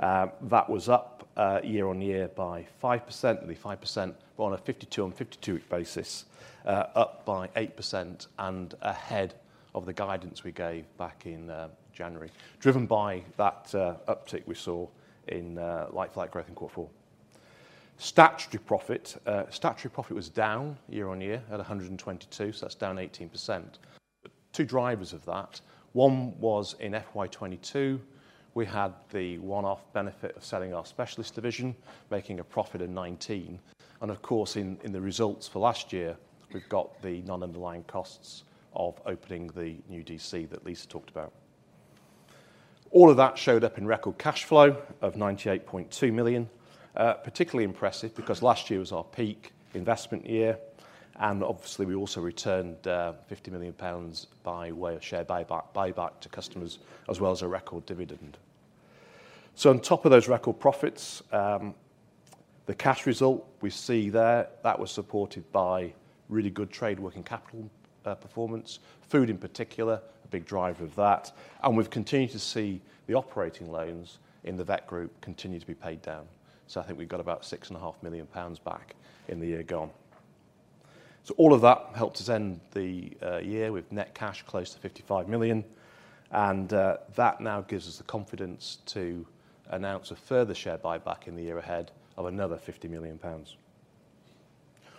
That was up year-on-year by 5%, nearly 5%, but on a 52 and 52-week basis, up by 8% and ahead of the guidance we gave back in January, driven by that uptick we saw in like-for-like growth in Q4. Statutory profit was down year-on-year at 122, that's down 18%. Two drivers of that, one was in FY 2022, we had the one-off benefit of selling our specialist division, making a profit in 19. Of course, in the results for last year, we've got the non-underlying costs of opening the new DC that Lisa talked about. All of that showed up in record cash flow of 98.2 million, particularly impressive because last year was our peak investment year, obviously, we also returned 50 million pounds by way of share buyback to customers, as well as a record dividend. On top of those record profits, the cash result we see there, that was supported by really good trade working capital performance, food in particular, a big driver of that, and we've continued to see the operating loans in the Vet Group continue to be paid down. I think we've got about 6.5 million pounds back in the year gone. All of that helped us end the year with net cash close to 55 million, and that now gives us the confidence to announce a further share buyback in the year ahead of another 50 million pounds.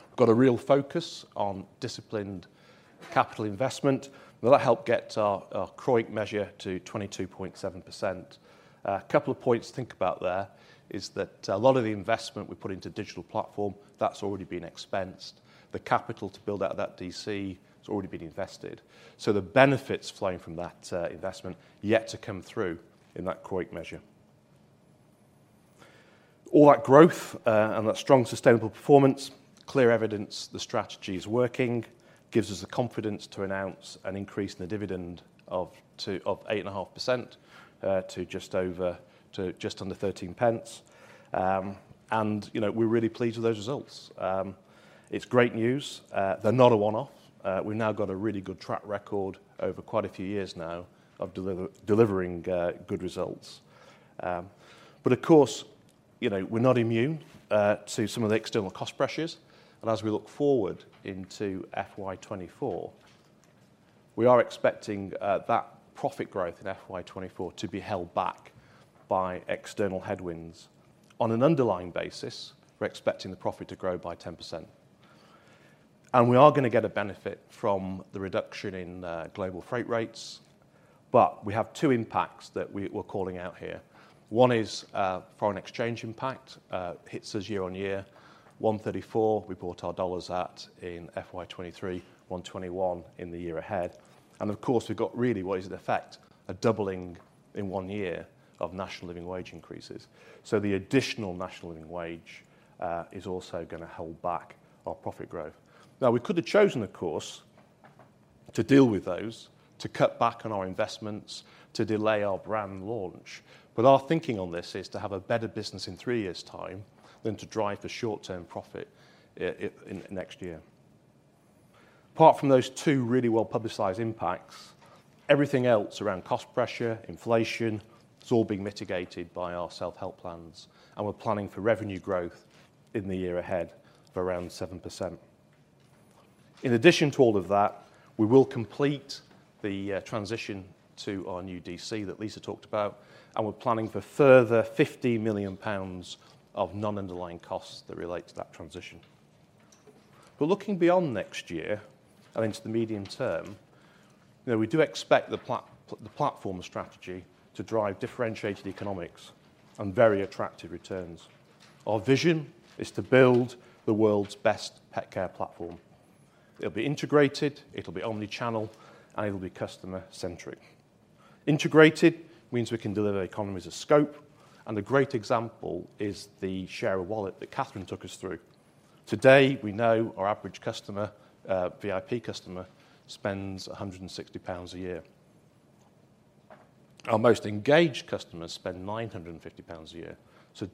We've got a real focus on disciplined capital investment. Will that help get our CROIC measure to 22.7%? A couple of points to think about there is that a lot of the investment we put into digital platform, that's already been expensed. The capital to build out that DC, it's already been invested, the benefits flowing from that investment are yet to come through in that CROIC measure. All that growth and that strong, sustainable performance, clear evidence the strategy is working, gives us the confidence to announce an increase in the dividend of 8.5% to just over, to just under 0.13. You know, we're really pleased with those results. It's great news. They're not a one-off. We've now got a really good track record over quite a few years now of delivering good results. Of course, you know, we're not immune to some of the external cost pressures, and as we look forward into FY 2024, we are expecting that profit growth in FY 2024 to be held back by external headwinds. On an underlying basis, we're expecting the profit to grow by 10%. We are going to get a benefit from the reduction in global freight rates, but we have two impacts that we're calling out here. One is foreign exchange impact hits us year-on-year, $1.34 we bought our dollars at in FY 2023, $1.21 in the year ahead. Of course, we've got really what is, in effect, a doubling in one year of National Living Wage increases. The additional National Living Wage is also gonna hold back our profit growth. We could have chosen, of course, to deal with those, to cut back on our investments, to delay our brand launch, our thinking on this is to have a better business in three years' time than to drive for short-term profit in next year. Apart from those two really well-publicized impacts, everything else around cost pressure, inflation, it's all being mitigated by our self-help plans, and we're planning for revenue growth in the year ahead of around 7%. In addition to all of that, we will complete the transition to our new DC that Lisa talked about, and we're planning for further 50 million pounds of non-underlying costs that relate to that transition. Looking beyond next year and into the medium term, you know, we do expect the platform strategy to drive differentiated economics and very attractive returns. Our vision is to build the world's best pet care platform. It'll be integrated, it'll be omni-channel, it'll be customer-centric. Integrated means we can deliver economies of scope, a great example is the share of wallet that Kathryn took us through. Today, we know our average customer, VIP customer spends 160 pounds a year. Our most engaged customers spend 950 pounds a year,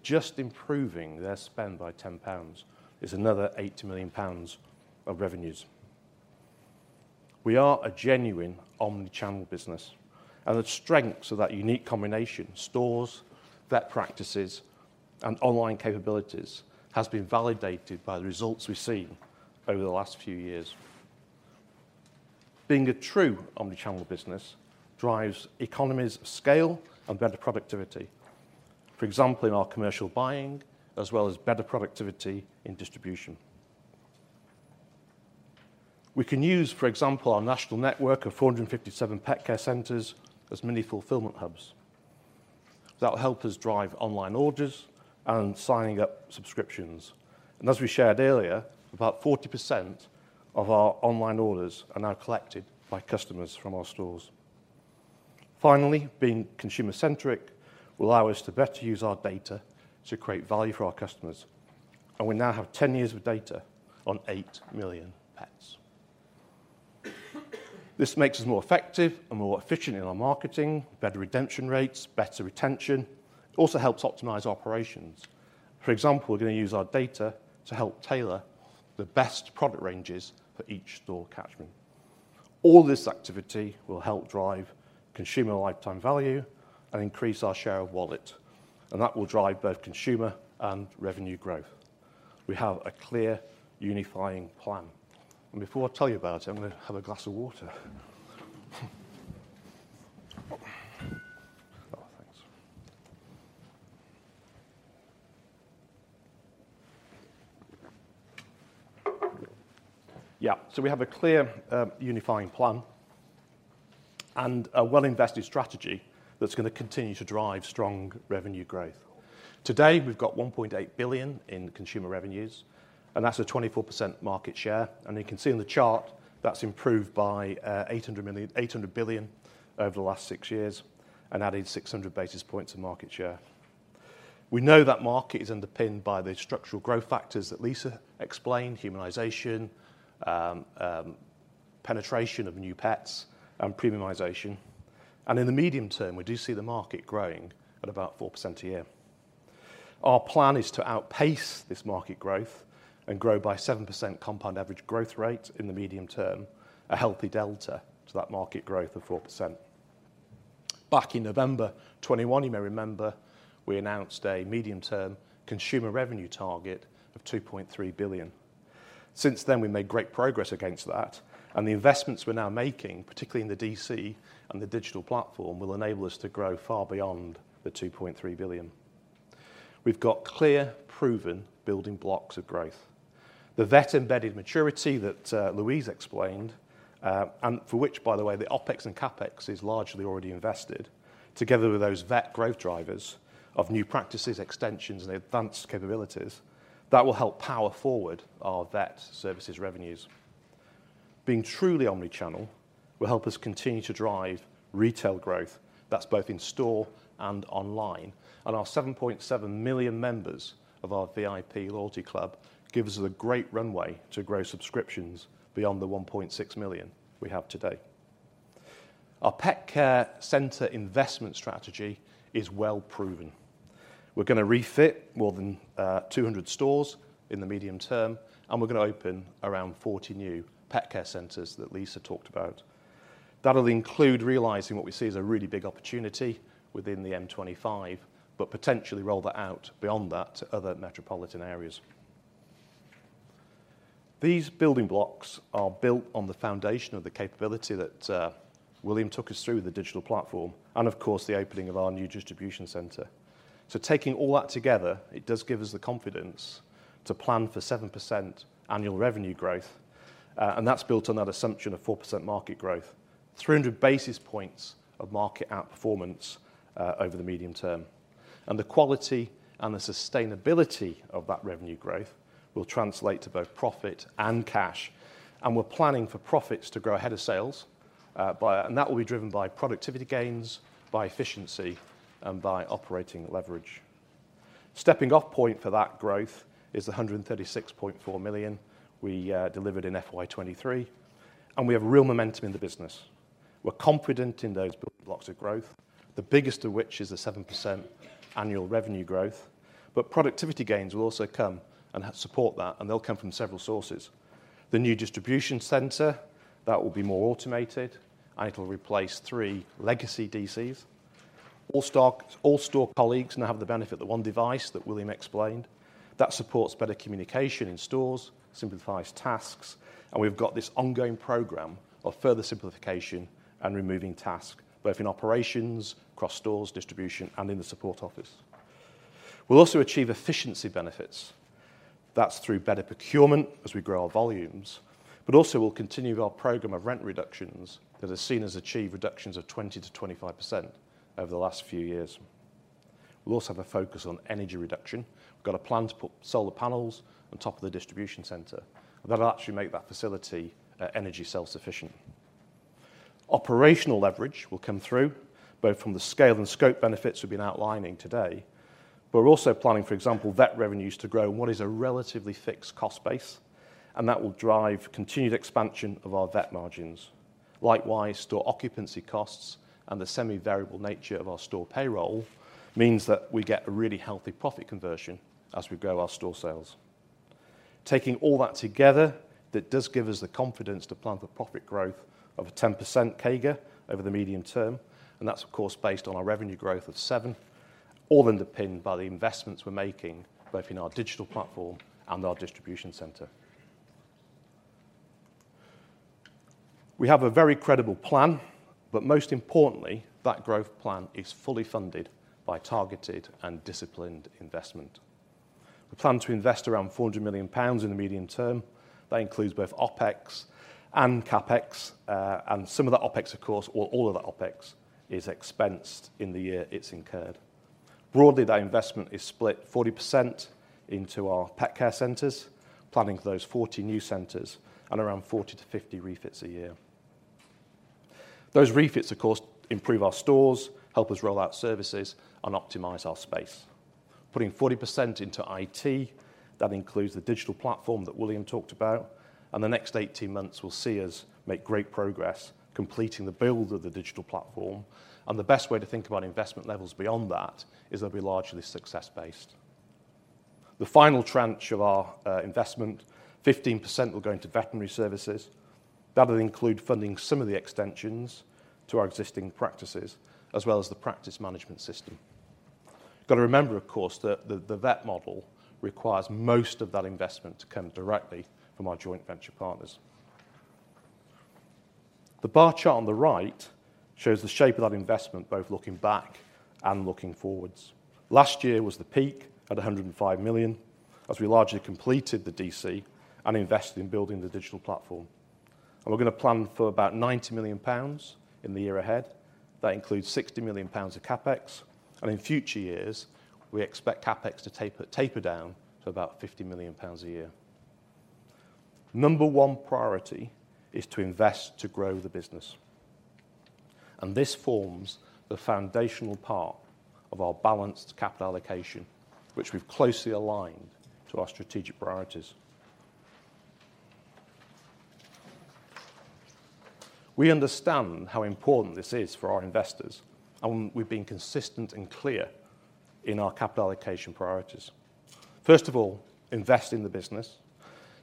just improving their spend by 10 pounds is another 80 million pounds of revenues. We are a genuine omni-channel business, the strengths of that unique combination, stores, vet practices, and online capabilities, has been validated by the results we've seen over the last few years. Being a true omni-channel business drives economies of scale and better productivity. For example, in our commercial buying, as well as better productivity in distribution. We can use, for example, our national network of 457 pet care centers as mini fulfillment hubs. That will help us drive online orders and signing up subscriptions. As we shared earlier, about 40% of our online orders are now collected by customers from our stores. Finally, being consumer-centric will allow us to better use our data to create value for our customers, and we now have 10 years of data on 8 million pets. This makes us more effective and more efficient in our marketing, better redemption rates, better retention. It also helps optimize operations. For example, we're gonna use our data to help tailor the best product ranges for each store catchment. All this activity will help drive consumer lifetime value and increase our share of wallet, and that will drive both consumer and revenue growth. We have a clear, unifying plan, and before I tell you about it, I'm gonna have a glass of water. Oh, thanks. We have a clear, unifying plan and a well-invested strategy that's gonna continue to drive strong revenue growth. Today, we've got 1.8 billion in consumer revenues, and that's a 24% market share, and you can see on the chart, that's improved by 800 billion over the last six years and added 600 basis points of market share. We know that market is underpinned by the structural growth factors that Lisa explained, humanization, penetration of new pets, and premiumization. In the medium term, we do see the market growing at about 4% a year. Our plan is to outpace this market growth and grow by 7% CAGR in the medium term, a healthy delta to that market growth of 4%. Back in November 2021, you may remember, we announced a medium-term consumer revenue target of 2.3 billion. Since then, we've made great progress against that, the investments we're now making, particularly in the DC and the digital platform, will enable us to grow far beyond the 2.3 billion. We've got clear, proven building blocks of growth. The vet-embedded maturity that Louise explained, and for which, by the way, the OpEx and CapEx is largely already invested, together with those vet growth drivers of new practices, extensions, and advanced capabilities, that will help power forward our vet services revenues. Being truly omni-channel will help us continue to drive retail growth that's both in store and online, and our 7.7 million members of our VIP loyalty club gives us a great runway to grow subscriptions beyond the 1.6 million we have today. Our pet care center investment strategy is well proven. We're going to refit more than 200 stores in the medium term, and we're going to open around 40 new pet care centers that Lisa talked about. That'll include realizing what we see as a really big opportunity within the M25, but potentially roll that out beyond that to other metropolitan areas. These building blocks are built on the foundation of the capability that William took us through with the digital platform and, of course, the opening of our new distribution center. Taking all that together, it does give us the confidence to plan for 7% annual revenue growth, and that's built on that assumption of 4% market growth, 300 basis points of market outperformance over the medium term. The quality and the sustainability of that revenue growth will translate to both profit and cash, and we're planning for profits to grow ahead of sales. That will be driven by productivity gains, by efficiency, and by operating leverage. Stepping off point for that growth is the 136.4 million we delivered in FY 2023. We have real momentum in the business. We're confident in those building blocks of growth, the biggest of which is the 7% annual revenue growth, productivity gains will also come and help support that. They'll come from several sources. The new distribution center, that will be more automated, it'll replace three legacy DCs. All store colleagues now have the benefit of the 1 device that William explained. That supports better communication in stores, simplifies tasks, and we've got this ongoing program of further simplification and removing tasks, both in operations, across stores, distribution, and in the support office. We'll also achieve efficiency benefits. That's through better procurement as we grow our volumes, but also we'll continue our program of rent reductions that have seen us achieve reductions of 20%-25% over the last few years. We'll also have a focus on energy reduction. We've got a plan to put solar panels on top of the distribution center, that'll actually make that facility energy self-sufficient. Operational leverage will come through, both from the scale and scope benefits we've been outlining today. We're also planning, for example, vet revenues to grow in what is a relatively fixed cost base. That will drive continued expansion of our vet margins. Likewise, store occupancy costs and the semi-variable nature of our store payroll means that we get a really healthy profit conversion as we grow our store sales. Taking all that together, that does give us the confidence to plan for profit growth of a 10% CAGR over the medium term. That's of course, based on our revenue growth of 7%, all underpinned by the investments we're making both in our digital platform and our distribution center. We have a very credible plan. Most importantly, that growth plan is fully funded by targeted and disciplined investment. We plan to invest around 400 million pounds in the medium term. That includes both OpEx and CapEx, and some of the OpEx, of course, or all of the OpEx, is expensed in the year it's incurred. Broadly, that investment is split 40% into our pet care centers, planning for those 40 new centers and around 40-50 refits a year. Those refits, of course, improve our stores, help us roll out services, and optimize our space. Putting 40% into IT, that includes the digital platform that William talked about, and the next 18 months will see us make great progress completing the build of the digital platform, and the best way to think about investment levels beyond that is they'll be largely success based. The final tranche of our investment, 15%, will go into veterinary services. That'll include funding some of the extensions to our existing practices, as well as the practice management system. You've got to remember, of course, that the vet model requires most of that investment to come directly from our joint venture partners. The bar chart on the right shows the shape of that investment, both looking back and looking forwards. Last year was the peak at 105 million, as we largely completed the DC and invested in building the digital platform. We're going to plan for about 90 million pounds in the year ahead. That includes 60 million pounds of CapEx, and in future years, we expect CapEx to taper down to about 50 million pounds a year. Number 1 priority is to invest to grow the business, and this forms the foundational part of our balanced capital allocation, which we've closely aligned to our strategic priorities. We understand how important this is for our investors, and we've been consistent and clear in our capital allocation priorities. First of all, invest in the business.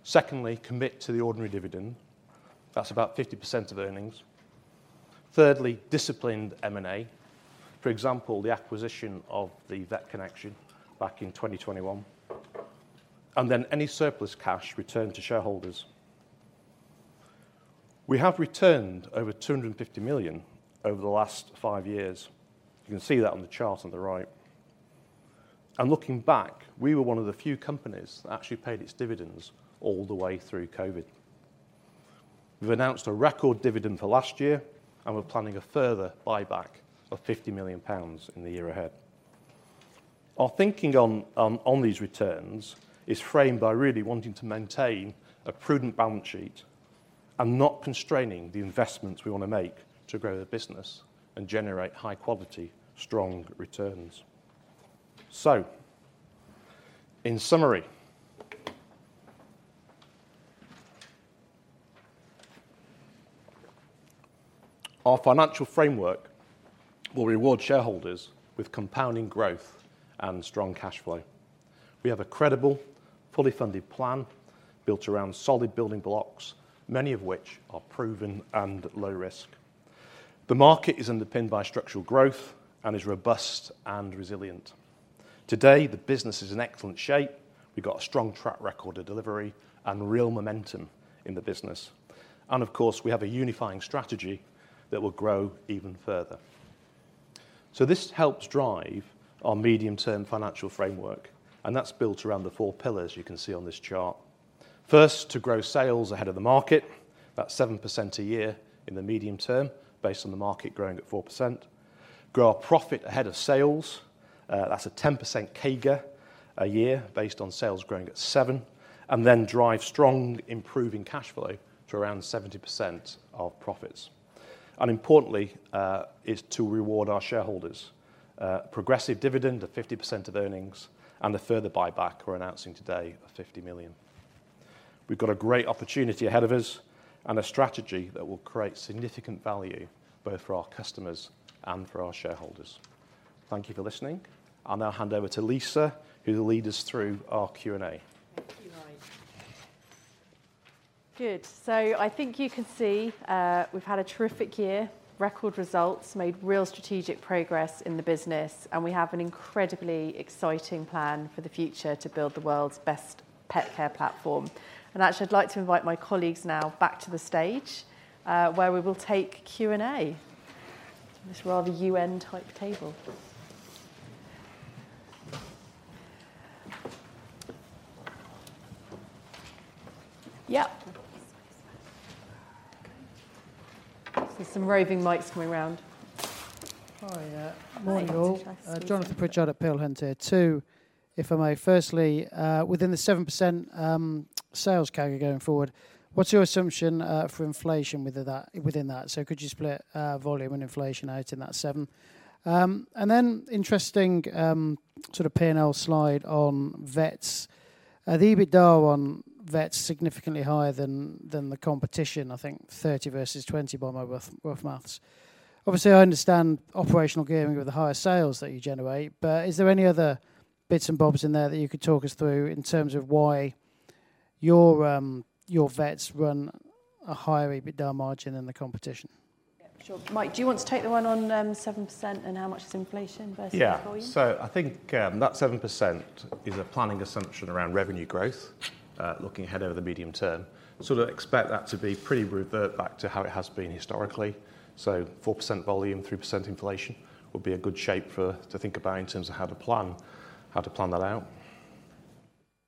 Secondly, commit to the ordinary dividend. That's about 50% of earnings. Thirdly, disciplined M&A. For example, the acquisition of The Vet Connection back in 2021, and then any surplus cash returned to shareholders. We have returned over 250 million over the last five years. You can see that on the chart on the right. Looking back, we were one of the few companies that actually paid its dividends all the way through COVID. We've announced a record dividend for last year, and we're planning a further buyback of 50 million pounds in the year ahead. Our thinking on these returns is framed by really wanting to maintain a prudent balance sheet and not constraining the investments we want to make to grow the business and generate high quality, strong returns. In summary, our financial framework will reward shareholders with compounding growth and strong cash flow. We have a credible, fully funded plan built around solid building blocks, many of which are proven and low risk. The market is underpinned by structural growth and is robust and resilient. Today, the business is in excellent shape. We've got a strong track record of delivery and real momentum in the business. Of course, we have a unifying strategy that will grow even further. This helps drive our medium-term financial framework, and that's built around the four pillars you can see on this chart. First, to grow sales ahead of the market, about 7% a year in the medium term, based on the market growing at 4%. Grow our profit ahead of sales. That's a 10% CAGR a year based on sales growing at 7%, then drive strong, improving cash flow to around 70% of profits. Importantly, is to reward our shareholders. Progressive dividend of 50% of earnings, a further buyback we're announcing today of 50 million. We've got a great opportunity ahead of us, a strategy that will create significant value, both for our customers and for our shareholders. Thank you for listening. I'll now hand over to Lyssa, who will lead us through our Q&A. Thank you, Mike. Good. I think you can see, we've had a terrific year, record results, made real strategic progress in the business, and we have an incredibly exciting plan for the future to build the world's best pet care platform. Actually, I'd like to invite my colleagues now back to the stage, where we will take Q&A. This rather UN-type table. Yep. There's some roving mics coming around. Hiya. Morning, y'all. Hi, nice to see you. Jonathan Pritchard at Peel Hunt here. Two, if I may. Firstly, within the 7% sales CAGR going forward, what's your assumption for inflation with that, within that? Could you split volume and inflation out in that 7%? Interesting sort of P&L slide on vets. The EBITDA on vets is significantly higher than the competition, I think 30% versus 20%, by my rough maths. Obviously, I understand operational gearing with the higher sales that you generate, is there any other bits and bobs in there that you could talk us through in terms of why your vets run a higher EBITDA margin than the competition? Mike, do you want to take the one on 7% and how much is inflation versus volume? Yeah. I think, that 7% is a planning assumption around revenue growth, looking ahead over the medium term. Sort of expect that to be pretty revert back to how it has been historically. 4% volume, 3% inflation, would be a good shape for, to think about in terms of how to plan that out.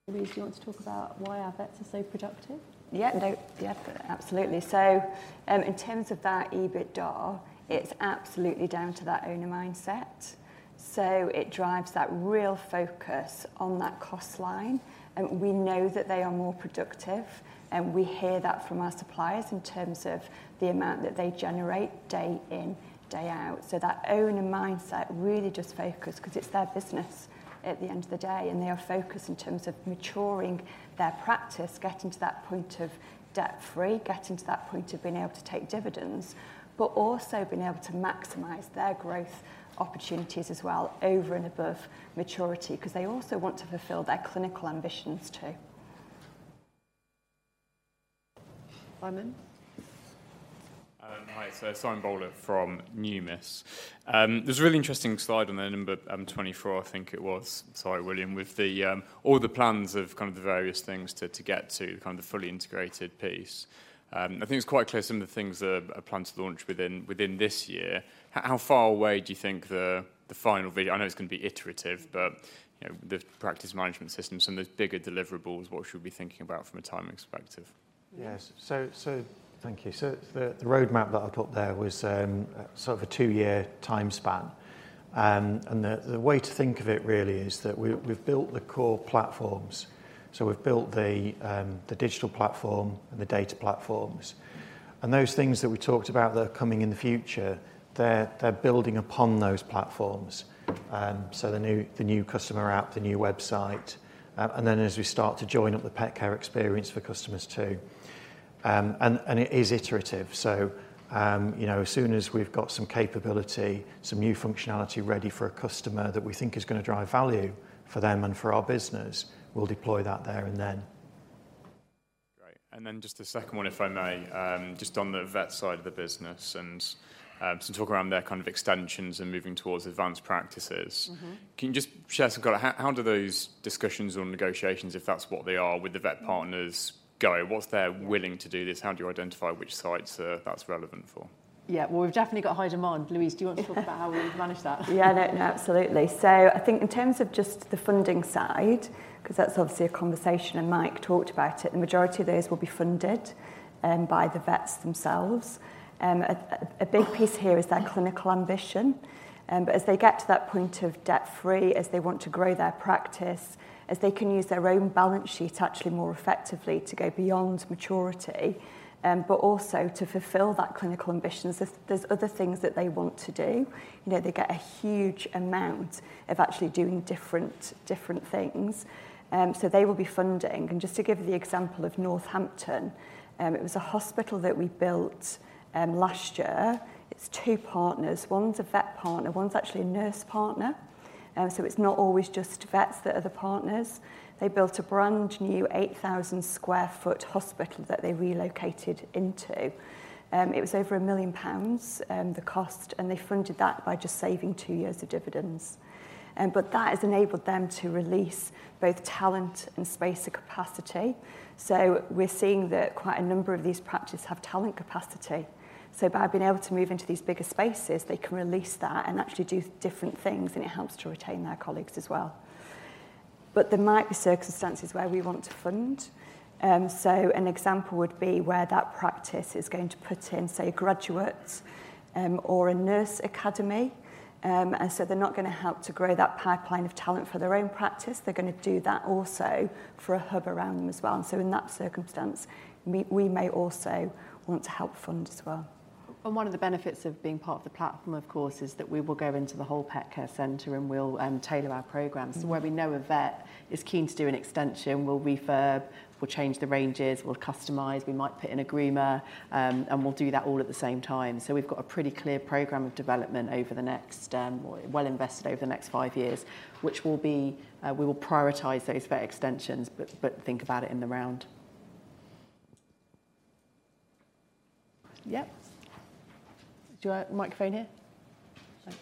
Louise, do you want to talk about why our vets are so productive? Yeah, no, yeah, absolutely. In terms of that EBITDA, it's absolutely down to that owner mindset. It drives that real focus on that cost line, and we know that they are more productive, and we hear that from our suppliers in terms of the amount that they generate day in, day out. That owner mindset really just focus, 'cause it's their business at the end of the day, and they are focused in terms of maturing their practice, getting to that point of debt-free, getting to that point of being able to take dividends, but also being able to maximize their growth opportunities as well, over and above maturity, 'cause they also want to fulfill their clinical ambitions, too. Simon? Hi. Simon Bowler from Numis. There's a really interesting slide on there, number 24, I think it was. Sorry, William, with the all the plans of kind of the various things to get to kind of the fully integrated piece. I think it's quite clear some of the things are planned to launch within this year. How far away do you think the final? I know it's going to be iterative, but, you know, the practice management system, some of those bigger deliverables, what should we be thinking about from a timing perspective? Yes. Thank you. The roadmap that I put there was sort of a two-year time span. The way to think of it really is that we've built the core platforms. We've built the digital platform and the data platforms, and those things that we talked about that are coming in the future, they're building upon those platforms. The new customer app, the new website, then as we start to join up the pet care experience for customers, too. It is iterative. You know, as soon as we've got some capability, some new functionality ready for a customer that we think is going to drive value for them and for our business, we'll deploy that there and then. Great. Just a second one, if I may. Just on the vet side of the business, and some talk around their kind of extensions and moving towards advanced practices. Mm-hmm. Can you just share us, kind of how do those discussions or negotiations, if that's what they are, with the vet partners go? What's their willing to do this? How do you identify which sites, that's relevant for? Yeah. Well, we've definitely got high demand. Louise, do you want to talk about how we would manage that? Yeah, no, absolutely. I think in terms of just the funding side, 'cause that's obviously a conversation, and Mike talked about it, the majority of those will be funded by the vets themselves. A big piece here is their clinical ambition, but as they get to that point of debt-free, as they want to grow their practice, as they can use their own balance sheet actually more effectively to go beyond maturity, but also to fulfill that clinical ambition. If there's other things that they want to do, you know, they get a huge amount of actually doing different things. They will be funding. Just to give the example of Northampton, it was a hospital that we built last year. It's two partners. One's a vet partner, one's actually a nurse partner. It's not always just vets that are the partners. They built a brand-new 8,000 sq ft hospital that they relocated into. It was over 1 million pounds, the cost, and they funded that by just saving two years of dividends. That as enabled them to release both talent and space and capacity. We're seeing that quite a number of these practices have talent capacity. By being able to move into these bigger spaces, they can release that and actually do different things, and it helps to retain their colleagues as well.... but there might be circumstances where we want to fund. An example would be where that practice is going to put in, say, graduates, or a nurse academy. They're not gonna help to grow that pipeline of talent for their own practice, they're gonna do that also for a hub around them as well. In that circumstance, we may also want to help fund as well. One of the benefits of being part of the platform, of course, is that we will go into the whole pet care center, and we'll tailor our programs. Where we know a vet is keen to do an extension, we'll refurb, we'll change the ranges, we'll customize, we might put in a groomer, and we'll do that all at the same time. We've got a pretty clear program of development over the next, well invested over the next five years, which will be, we will prioritize those vet extensions, but think about it in the round. Yep. Do you want a microphone here?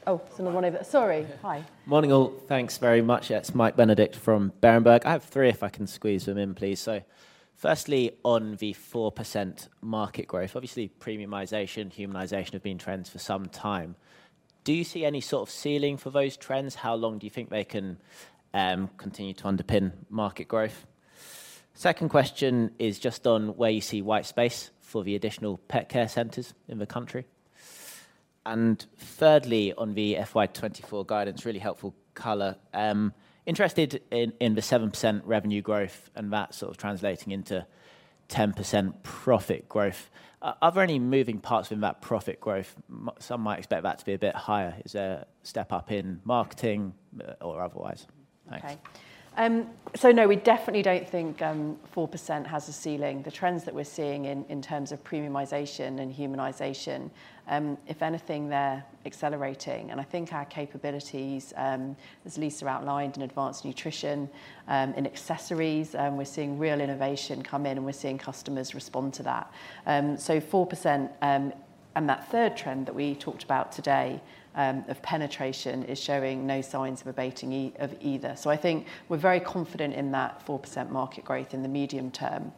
Oh, someone. Sorry. Hi. Morning, all. Thanks very much. It's Mike Benedict from Berenberg. I have three, if I can squeeze them in, please. Firstly, on the 4% market growth, obviously, premiumization, humanization have been trends for some time. Do you see any sort of ceiling for those trends? How long do you think they can continue to underpin market growth? Second question is just on where you see white space for the additional pet care centers in the country. Thirdly, on the FY 2024 guidance, really helpful color. Interested in the 7% revenue growth, and that sort of translating into 10% profit growth. Are there any moving parts in that profit growth? Some might expect that to be a bit higher. Is there a step up in marketing or otherwise? Thanks. Okay. No, we definitely don't think 4% has a ceiling. The trends that we're seeing in terms of premiumization and humanization, if anything, they're accelerating, and I think our capabilities, as Lisa outlined, in advanced nutrition, in accessories, we're seeing real innovation come in, and we're seeing customers respond to that. 4%, and that third trend that we talked about today, of penetration, is showing no signs of abating of either. I think we're very confident in that 4% market growth in the medium term.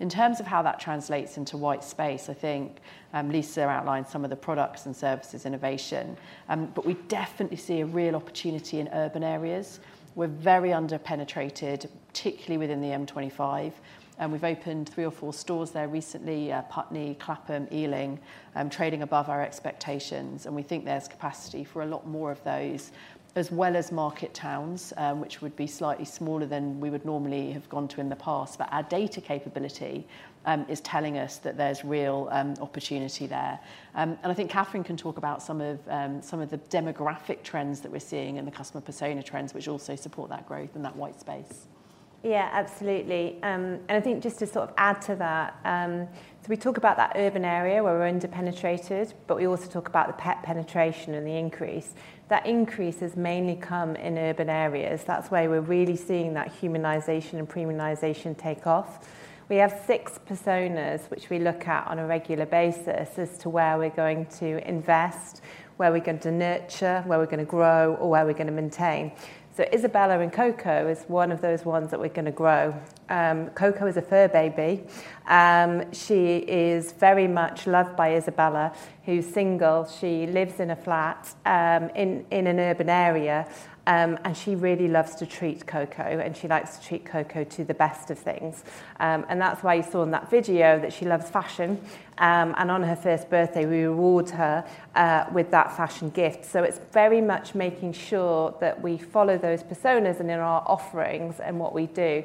In terms of how that translates into white space, I think Lisa outlined some of the products and services innovation, but we definitely see a real opportunity in urban areas. We're very under-penetrated, particularly within the M25, and we've opened three or four stores there recently, Putney, Clapham, Ealing, trading above our expectations, and we think there's capacity for a lot more of those, as well as market towns, which would be slightly smaller than we would normally have gone to in the past. Our data capability is telling us that there's real opportunity there. I think Kathryn can talk about some of some of the demographic trends that we're seeing and the customer persona trends, which also support that growth and that white space. Yeah, absolutely. I think just to sort of add to that, we talk about that urban area where we're under-penetrated, but we also talk about the pet penetration and the increase. That increase has mainly come in urban areas. That's where we're really seeing that humanization and premiumization take off. We have six personas, which we look at on a regular basis, as to where we're going to invest, where we're going to nurture, where we're gonna grow, or where we're gonna maintain. Isabella and Coco is one of those ones that we're gonna grow. Coco is a fur baby. She is very much loved by Isabella, who's single. She lives in a flat, in an urban area, and she really loves to treat Coco, and she likes to treat Coco to the best of things. That's why you saw in that video that she loves fashion, on her first birthday, we reward her with that fashion gift. It's very much making sure that we follow those personas and in our offerings and what we do.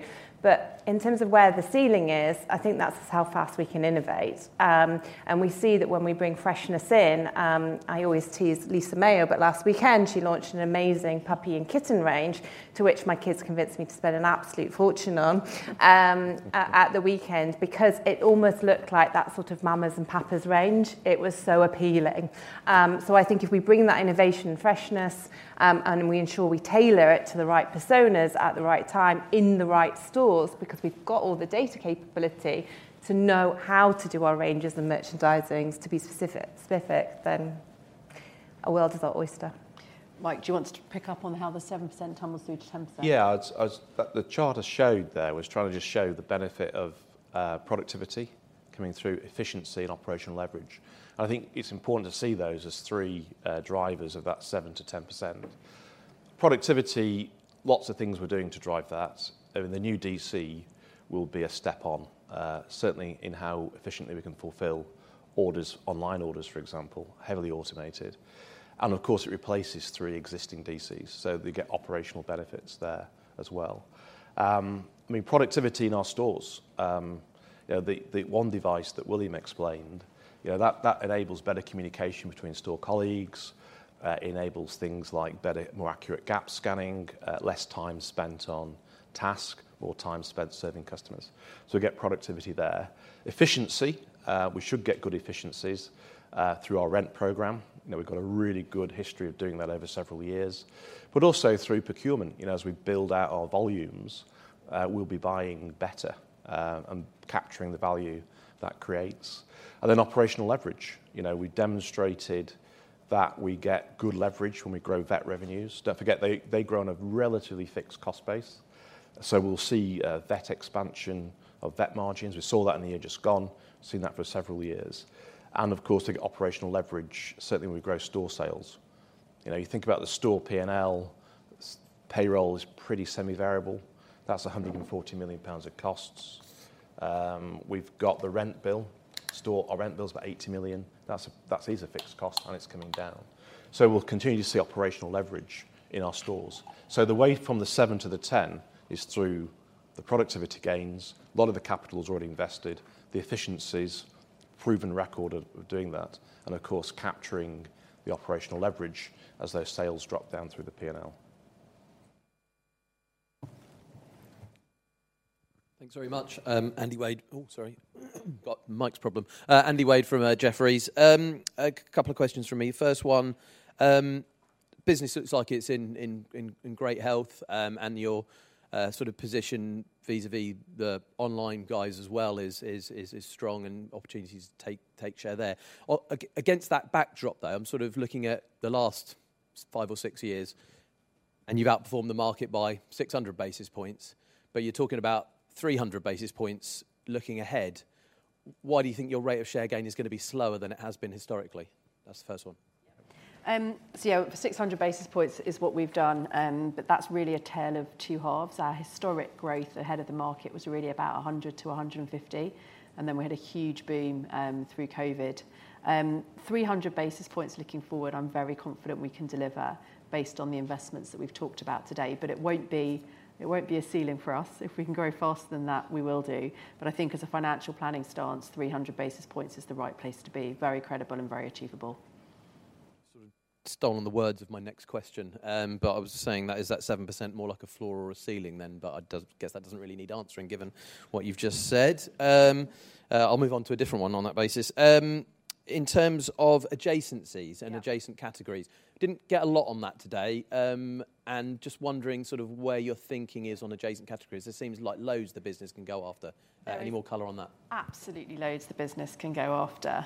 In terms of where the ceiling is, I think that's how fast we can innovate. We see that when we bring freshness in, I always tease Lisa Miao, but last weekend, she launched an amazing Puppy & Kitten range, to which my kids convinced me to spend an absolute fortune on at the weekend, because it almost looked like that sort of Mamas & Papas range. I think if we bring that innovation and freshness, and we ensure we tailor it to the right personas at the right time in the right stores, because we've got all the data capability to know how to do our ranges and merchandising to be specific, then our world is our oyster. Mike, do you want to pick up on how the 7% tumbles through to 10%? Yeah, the chart I showed there was trying to just show the benefit of productivity coming through efficiency and operational leverage. I think it's important to see those as three drivers of that 7%-10%. Productivity, lots of things we're doing to drive that. I mean, the new DC will be a step on, certainly in how efficiently we can fulfil orders, online orders, for example, heavily automated. Of course, it replaces 3threeexisting DCs, so we get operational benefits there as well. I mean, productivity in our stores, you know, the 1 device that William explained, you know, that enables better communication between store colleagues, enables things like better, more accurate gap scanning, less time spent on task, more time spent serving customers. We get productivity there. Efficiency, we should get good efficiencies through our rent program. You know, we've got a really good history of doing that over several years, but also through procurement. You know, as we build out our volumes, we'll be buying better and capturing the value that creates. Then operational leverage. You know, we demonstrated that we get good leverage when we grow vet revenues. Don't forget, they grow on a relatively fixed cost base, so we'll see a vet expansion of vet margins. We saw that in the year just gone, seen that for several years. Of course, to get operational leverage, certainly when we grow store sales. You know, you think about the store P&L, payroll is pretty semi-variable. That's 140 million pounds of costs. We've got the rent bill. Our rent bill's about 80 million. That is a fixed cost, and it's coming down. We'll continue to see operational leverage in our stores. The way from the 7 million to the 10 million is through the productivity gains. A lot of the capital's already invested, the efficiencies, proven record of doing that, and of course, capturing the operational leverage as those sales drop down through the P&L. Thanks very much. Andrew Wade. Oh, sorry, got mic's problem. Andrew Wade from Jefferies. A couple of questions from me. First one, business looks like it's in great health, and your sort of position vis-à-vis the online guys as well is strong and opportunities to take share there. Against that backdrop, though, I'm sort of looking at the last five or six years, and you've outperformed the market by 600 basis points, but you're talking about 300 basis points looking ahead. Why do you think your rate of share gain is gonna be slower than it has been historically? That's the first one. Yeah, 600 basis points is what we've done, that's really a tale of two halves. Our historic growth ahead of the market was really about 100 basis points-150 basis points, we had a huge boom through COVID. 300 basis points looking forward, I'm very confident we can deliver based on the investments that we've talked about today, it won't be a ceiling for us. If we can grow faster than that, we will do. I think as a financial planning stance, 300 basis points is the right place to be. Very credible and very achievable. Sort of stolen the words of my next question. Is that 7% more like a floor or a ceiling then? Guess that doesn't really need answering, given what you've just said. I'll move on to a different one on that basis. In terms of adjacencies and adjacent categories, didn't get a lot on that today, and just wondering sort of where your thinking is on adjacent categories. It seems like loads the business can go after. Yeah. Any more color on that? Absolutely loads the business can go after.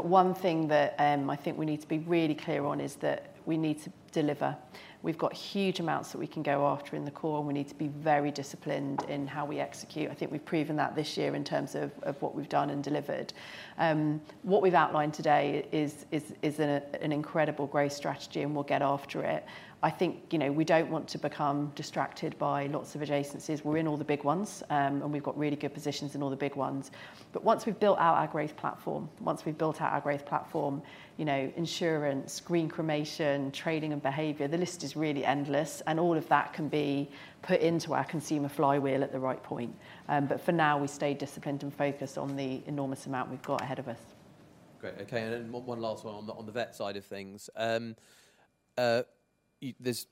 One thing that, I think we need to be really clear on is that we need to deliver. We've got huge amounts that we can go after in the core, and we need to be very disciplined in how we execute. I think we've proven that this year in terms of what we've done and delivered. What we've outlined today is an incredible growth strategy, and we'll get after it. I think, you know, we don't want to become distracted by lots of adjacencies. We're in all the big ones, and we've got really good positions in all the big ones. Once we've built out our growth platform, you know, insurance, green cremation, trading and behavior, the list is really endless, and all of that can be put into our consumer flywheel at the right point. For now, we stay disciplined and focused on the enormous amount we've got ahead of us. Great. Okay, one last one on the vet side of things. This,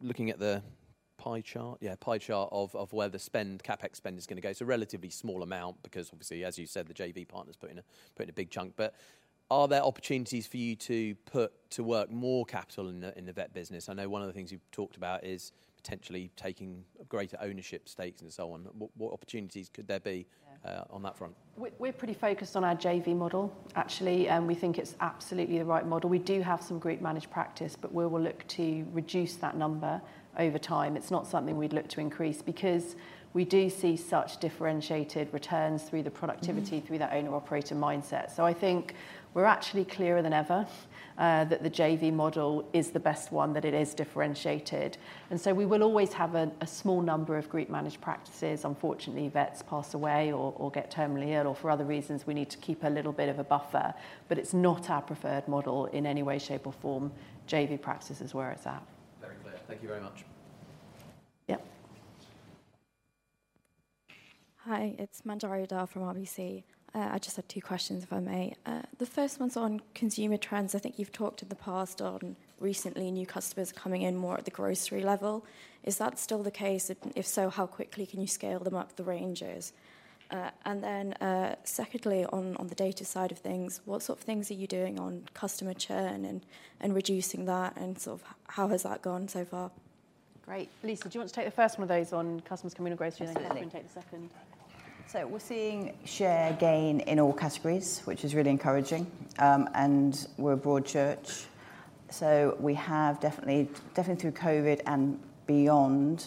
looking at the pie chart, yeah, pie chart of where the spend, CapEx spend is gonna go. It's a relatively small amount because obviously, as you said, the JV partner's putting a big chunk. Are there opportunities for you to put to work more capital in the vet business? I know one of the things you've talked about is potentially taking greater ownership stakes and so on. What opportunities could there be? Yeah... on that front? We're pretty focused on our JV model, actually. We think it's absolutely the right model. We do have some group managed practice. We will look to reduce that number over time. It'smething we'd look to increase because we do see such differentiated returns through the productivit through that owner-operator mindset. I think we're actually clearer than ever, that the JV model is the best one, that it is differentiated. We will always have a small number of group managed practices. Unfortunately, vets pass away or get terminally ill, or for other reasons, we need to keep a little bit of a buffer. It's not our preferred model in any way, shape, or form. JV practice is where it's at. Very clear. Thank you very much. Yep. Hi, it's Manjinder Dulay from RBC. I just have two questions, if I may. The first one's on consumer trends. I think you've talked in the past on recently new customers coming in more at the grocery level. Is that still the case? If so, how quickly can you scale them up the ranges? Secondly, on the data side of things, what sort of things are you doing on customer churn and reducing that, and sort of how has that gone so far? Great. Lisa, do you want to take the first one of those on customers coming to grocery- Absolutely.... and then you can take the second? We're seeing share gain in all categories, which is really encouraging. We're a broad church, so we have definitely through COVID and beyond,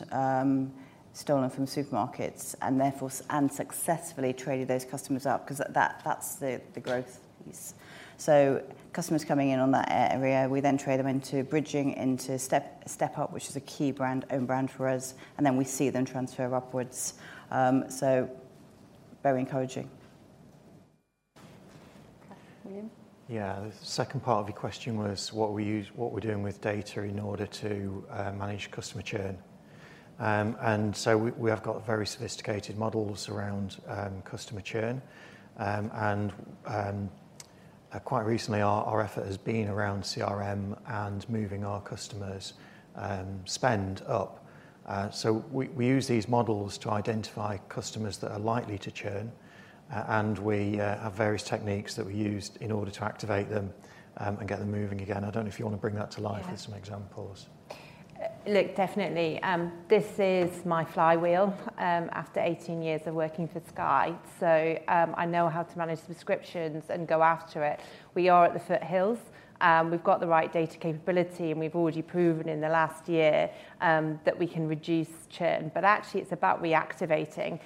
stolen from supermarkets and therefore, and successfully traded those customers up because that's the growth piece. Customers coming in on that area, we then trade them into bridging, into Step Up, which is a key brand, own brand for us, and then we see them transfer upwards. Very encouraging. Okay, William? Yeah, the second part of your question was what we use, what we're doing with data in order to manage customer churn. We have got very sophisticated models around customer churn. Quite recently, our effort has been around CRM and moving our customers' spend up. We use these models to identify customers that are likely to churn, and we have various techniques that we use in order to activate them and get them moving again. I don't know if you want to bring that to life with some examples. Look, definitely. This is my flywheel, after 18 years of working for Sky, I know how to manage subscriptions and go after it. We are at the foothills. we've got the right data capability, and we've already proven in the last year, that we can reduce churn. Actually, it's about reactivating,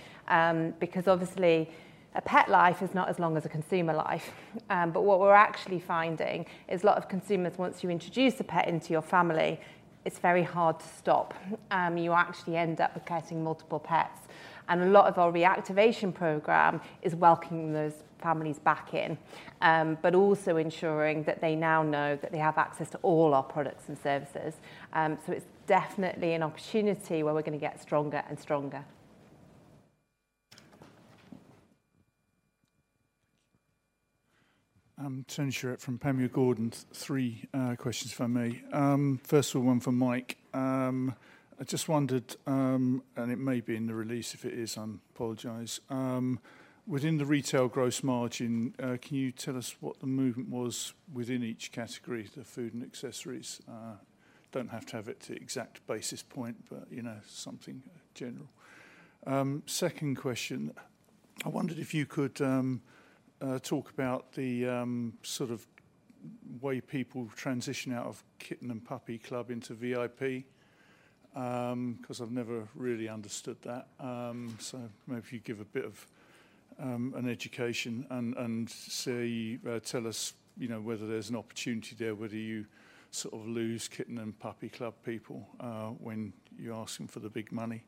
because obviously, a pet life is not as long as a consumer life. What we're actually finding is a lot of consumers, once you introduce a pet into your family, it's very hard to stop. You actually end up getting multiple pets, and a lot of our reactivation program is welcoming those families back in, but also ensuring that they now know that they have access to all our products and services. It's definitely an opportunity where we're going to get stronger and stronger. Tony Shiret from Panmure Gordon. three questions, if I may. First of all, one for Mike. I just wondered, and it may be in the release, if it is, I apologize. Within the retail gross margin, can you tell us what the movement was within each category, the food and accessories? Don't have to have it to exact basis point, but, you know, something general. Second question, I wondered if you could talk about the sort of way people transition out of Puppy & Kitten Club into VIP, 'cause I've never really understood that. Maybe if you give a bit of an education and say, tell us, you know, whether there's an opportunity there, whether you sort of lose Puppy & Kitten Club people when you ask them for the big money.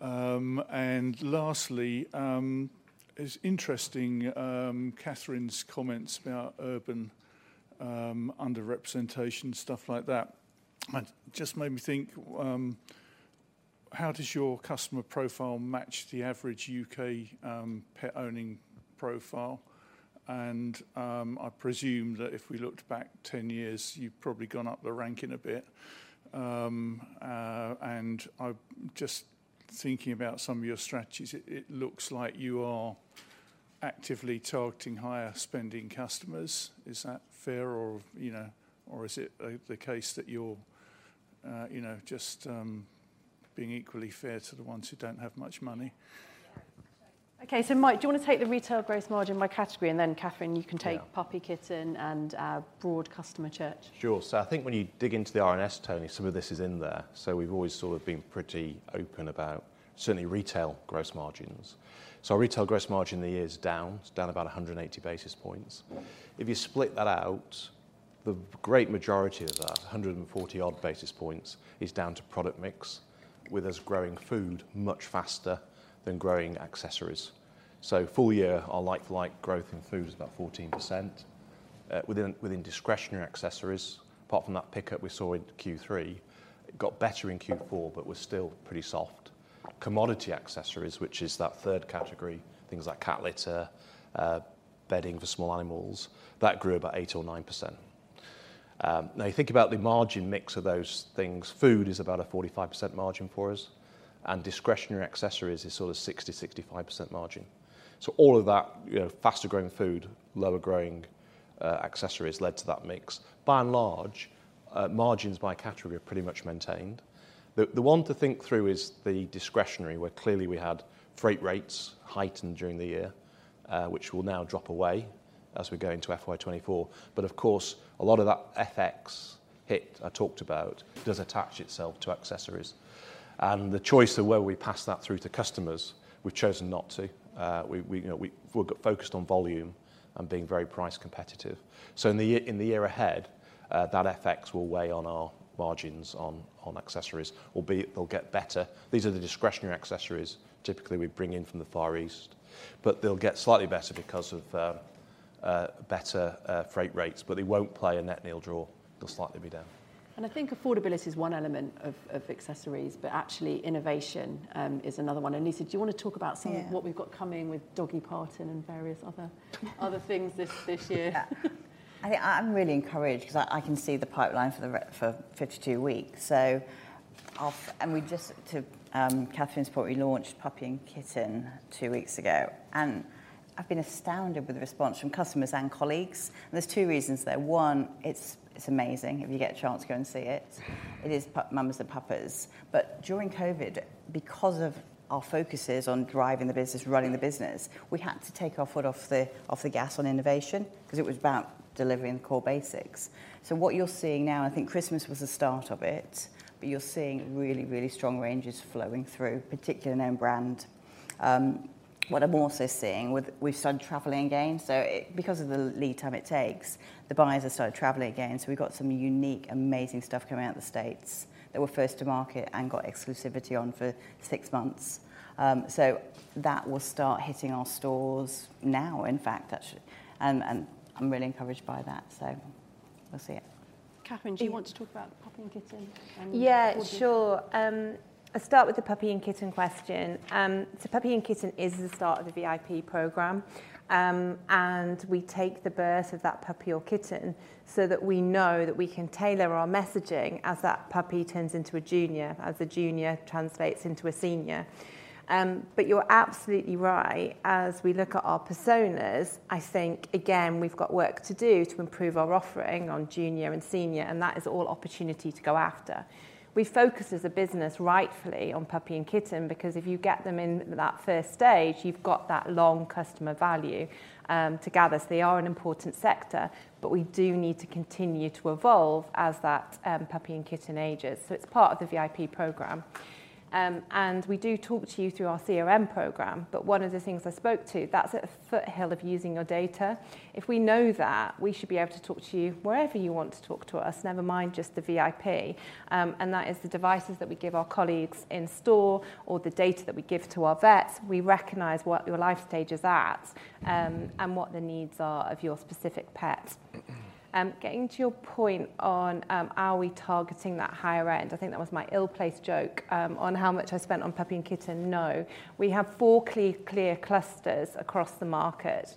Lastly, it's interesting, Kathryn's comments about urban underrepresentation, stuff like that. Just made me think, how does your customer profile match the average U.K. pet-owning profile? I presume that if we looked back 10 years, you've probably gone up the ranking a bit. Just thinking about some of your strategies, it looks like you are actively targeting higher-spending customers. Is that fair or, you know, or is it the case that you're, you know, just being equally fair to the ones who don't have much money? Okay, Mike, do you want to take the retail gross margin by category, and then, Kathryn, you can take Puppy, Kitten, and broad customer churn? Sure. I think when you dig into the RNS, Tony, some of this is in there. We've always sort of been pretty open about certainly retail gross margins. Our retail gross margin in the year is down, it's down about 180 basis points. If you split that out, the great majority of that, 140 odd basis points, is down to product mix, with us growing food much faster than growing accessories. Full year, our like-for-like growth in food is about 14%. Within discretionary accessories, apart from that pickup we saw in Q3, it got better in Q4, but was still pretty soft. Commodity accessories, which is that third category, things like cat litter, bedding for small animals, that grew about 8% or 9%. Now you think about the margin mix of those things, food is about a 45% margin for us, and discretionary accessories is sort of 60%, 65% margin. All of that, you know, faster-growing food, lower-growing accessories led to that mix. By and large, margins by category are pretty much maintained. The, the one to think through is the discretionary, where clearly we had freight rates heightened during the year, which will now drop away as we go into FY 2024. Of course, a lot of that FX hit I talked about does attach itself to accessories. The choice of whether we pass that through to customers, we've chosen not to. We, we, you know, we're focused on volume and being very price competitive. In the year ahead, that FX will weigh on our margins on accessories, they'll get better. These are the discretionary accessories typically we bring in from the Far East. They'll get slightly better because of better freight rates. They won't play a net nil draw. They'll slightly be down. I think affordability is one element of accessories, but actually innovation is another one. Lisa, do you want to talk about? Yeah. Of what we've got coming with Doggy Parton and various other things this year? I'm really encouraged because I can see the pipeline for the 52 weeks. We just, to Kathryn's point, we launched Puppy & Kitten two weeks ago, and I've been astounded with the response from customers and colleagues. There's two reasons there. One, it's amazing. If you get a chance to go and see it is Mamas & Papas. During COVID, because of our focuses on driving the business, running the business, we had to take our foot off the gas on innovation because it was about delivering the core basics. What you're seeing now, I think Christmas was the start of it, but you're seeing really strong ranges flowing through, particularly in own brand. What I'm also seeing, we've started traveling again, so because of the lead time it takes, the buyers have started traveling again, so we've got some unique, amazing stuff coming out of the States that we're first to market and got exclusivity on for six months. That will start hitting our stores now, in fact, actually, and I'm really encouraged by that, so we'll see it. Kathryn, do you want to talk about the Puppy and Kitten? Yeah, sure. I'll start with the Puppy and Kitten question. Puppy and Kitten is the start of the VIP program, and we take the birth of that puppy or kitten so that we know that we can tailor our messaging as that puppy turns into a junior, as a junior translates into a senior. You're absolutely right. As we look at our personas, I think, again, we've got work to do to improve our offering on junior and senior, and that is all opportunity to go after. We focus as a business, rightfully, on Puppy and Kitten, because if you get them in that first stage, you've got that long customer value to gather. They are an important sector, but we do need to continue to evolve as that puppy and kitten ages. It's part of the VIP program. We do talk to you through our CRM program. One of the things I spoke to, that's at the foothill of using your data. If we know that, we should be able to talk to you wherever you want to talk to us, never mind just the VIP. That is the devices that we give our colleagues in store or the data that we give to our vets. We recognize what your life stage is at, what the needs are of your specific pet. Getting to your point on, are we targeting that higher end? I think that was my ill-placed joke on how much I spent on puppy and kitten. No, we have four clear clusters across the market.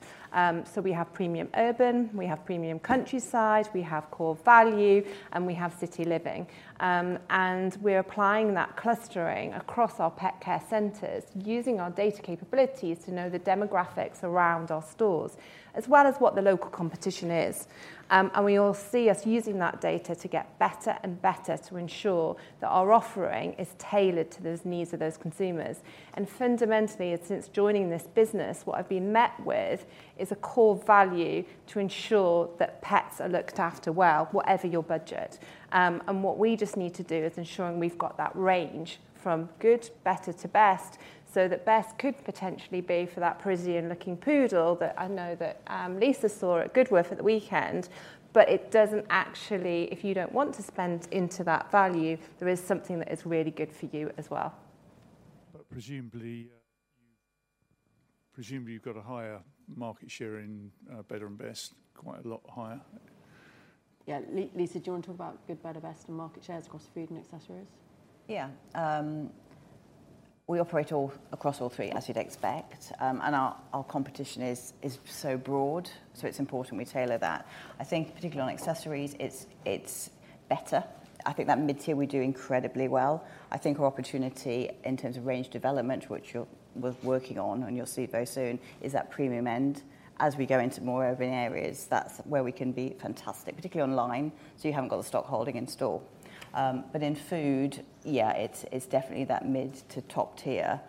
We have premium urban, we have premium countryside, we have core value, and we have city living. We're applying that clustering across our pet care centers, using our data capabilities to know the demographics around our stores, as well as what the local competition is. We all see us using that data to get better and better to ensure that our offering is tailored to those needs of those consumers. Fundamentally, and since joining this business, what I've been met with is a core value to ensure that pets are looked after well, whatever your budget. What we just need to do is ensuring we've got that range from good, better to best, so that best could potentially be for that Parisian-looking poodle that I know that Lisa saw at Goodwood over the weekend. It doesn't actually, if you don't want to spend into that value, there is something that is really good for you as well. Presumably you've got a higher market share in better and best, quite a lot higher. Yeah. Lisa, do you want to talk about good, better, best, and market shares across food and accessories? We operate all, across all three, as you'd expect. Our, our competition is so broad, so it's important we tailor that. I think particularly on accessories, it's better. I think that mid-tier we do incredibly well. I think our opportunity in terms of range development, which we're working on, and you'll see very soon, is that premium end. As we go into more urban areas, that's where we can be fantastic, particularly online, so you haven't got the stock holding in store. In food, it's definitely that mid to top tier,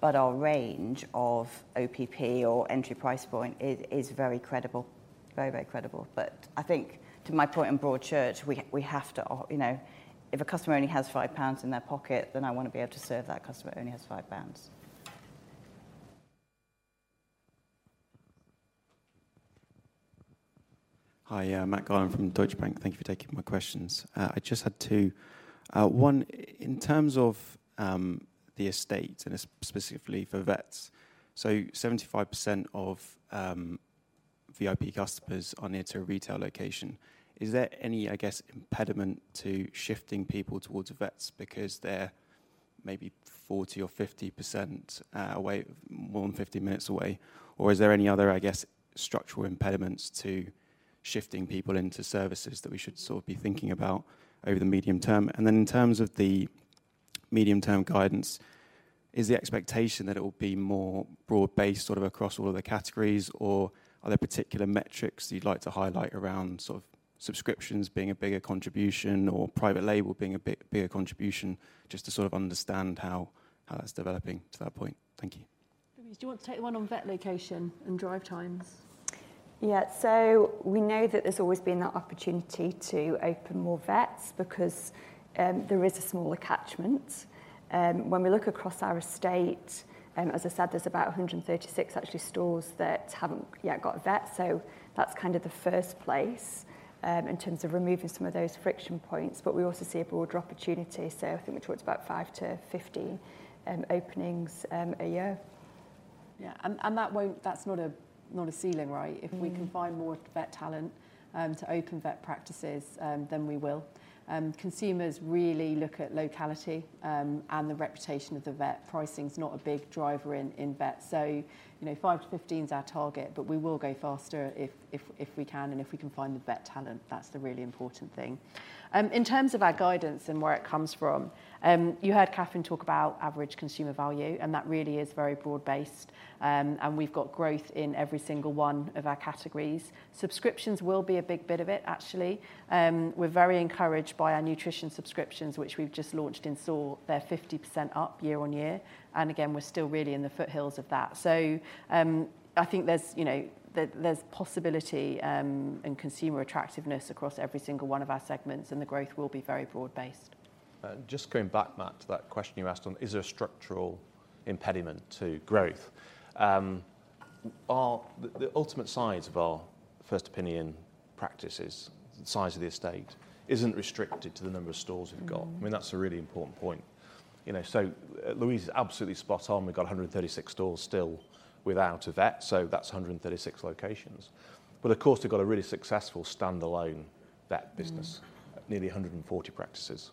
but our range of OPP or entry price point is very credible. Very, very credible. I think to my point in Broadchurch, we have to, you know, if a customer only has 5 pounds in their pocket, then I want to be able to serve that customer who only has 5 pounds. Hi, Matt Garland from Deutsche Bank. Thank you for taking my questions. I just had two. One, in terms of the estate, and specifically for vets, so 75% of VIP customers are near to a retail location. Is there any, I guess, impediment to shifting people towards the vets because they're maybe 40% or 50% away, more than 50 minutes away? Or is there any other, I guess, structural impediments to shifting people into services that we should sort of be thinking about over the medium term? Then in terms of the medium-term guidance, is the expectation that it will be more broad-based, sort of across all of the categories, or are there particular metrics you'd like to highlight around sort of subscriptions being a bigger contribution or private label being a bit bigger contribution, just to sort of understand how that's developing to that point? Thank you. Louise, do you want to take the one on vet location and drive times? We know that there's always been that opportunity to open more vets because there is a smaller catchment. When we look across our estate, as I said, there's about 136 actually stores that haven't yet got a vet, that's kind of the first place in terms of removing some of those friction points, but we also see a broader opportunity. I think we talked about 5-50 openings a year. Yeah, that's not a ceiling, right? Mm-hmm. If we can find more vet talent to open vet practices, we will. Consumers really look at locality and the reputation of the vet. Pricing is not a big driver in vets. You know, 5-15 is our target, but we will go faster if we can, and if we can find the vet talent, that's the really important thing. In terms of our guidance and where it comes from, you heard Kathryn talk about average consumer value, and that really is very broad-based. We've got growth in every single one of our categories. Subscriptions will be a big bit of it, actually. We're very encouraged by our nutrition subscriptions, which we've just launched in store. They're 50% up year-on-year, and again, we're still really in the foothills of that. I think there's, you know, there's possibility, and consumer attractiveness across every single one of our segments, and the growth will be very broad-based. Just going back, Matt, to that question you asked on, is there a structural impediment to growth? The ultimate size of our first opinion practices, the size of the estate, isn't restricted to the number of stores we've got. Mm-hmm. I mean, that's a really important point. You know, Louise is absolutely spot on. We've got 136 stores still without a vet, so that's 136 locations. Of course, we've got a really successful standalone vet business. Mm-hmm.... Nearly 140 practices.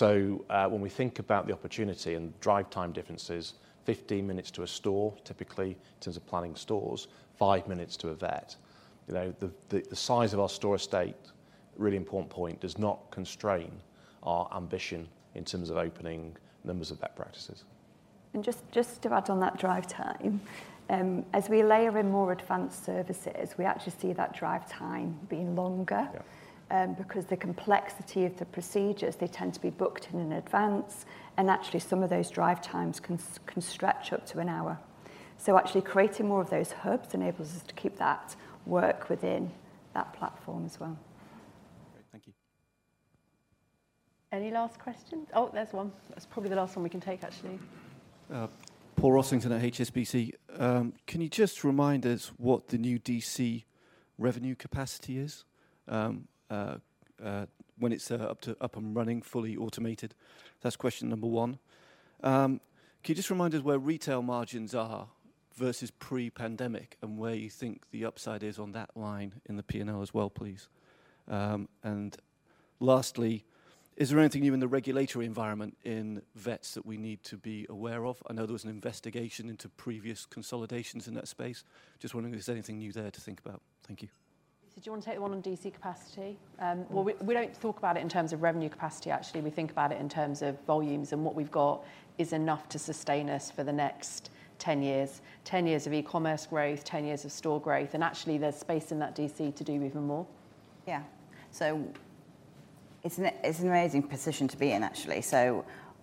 When we think about the opportunity and drive time differences, 15 minutes to a store, typically, in terms of planning stores, 5 minutes to a vet. You know, the size of our store estate, really important point, does not constrain our ambition in terms of opening numbers of vet practices. Just to add on that drive time, as we layer in more advanced services, we actually see that drive time being longer. Yeah. Because the complexity of the procedures, they tend to be booked in in advance, and actually, some of those drive times can stretch up to an hour. Actually, creating more of those hubs enables us to keep that work within that platform as well. Any last questions? Oh, there's one. That's probably the last one we can take, actually. Paul Rossington at HSBC. Can you just remind us what the new DC revenue capacity is, when it's up and running, fully automated? That's question number one. Can you just remind us where retail margins are versus pre-pandemic, and where you think the upside is on that line in the P&L as well, please? Lastly, is there anything new in the regulatory environment in vets that we need to be aware of? I know there was an investigation into previous consolidations in that space. Just wondering if there's anything new there to think about. Thank you. Lisa, do you want to take the one on DC capacity? Well, we don't talk about it in terms of revenue capacity, actually. We think about it in terms of volumes, and what we've got is enough to sustain us for the next 10 years. 10 years of e-commerce growth, 10 years of store growth, and actually there's space in that DC to do even more. It's an amazing position to be in, actually.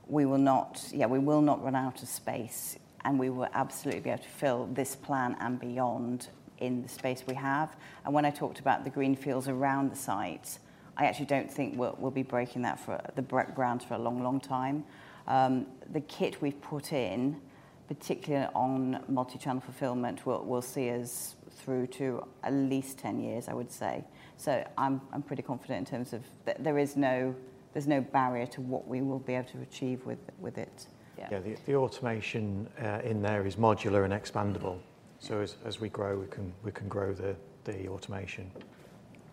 We will not, yeah, we will not run out of space, and we will absolutely be able to fill this plan and beyond in the space we have. When I talked about the greenfields around the site, I actually don't think we'll be breaking the ground for a long, long time. The kit we've put in, particularly on multi-channel fulfillment, will see us through to at least 10 years, I would say. I'm pretty confident in terms of. There is no barrier to what we will be able to achieve with it. Yeah, the automation, in there is modular and expandable. Mm-hmm. As we grow, we can grow the automation.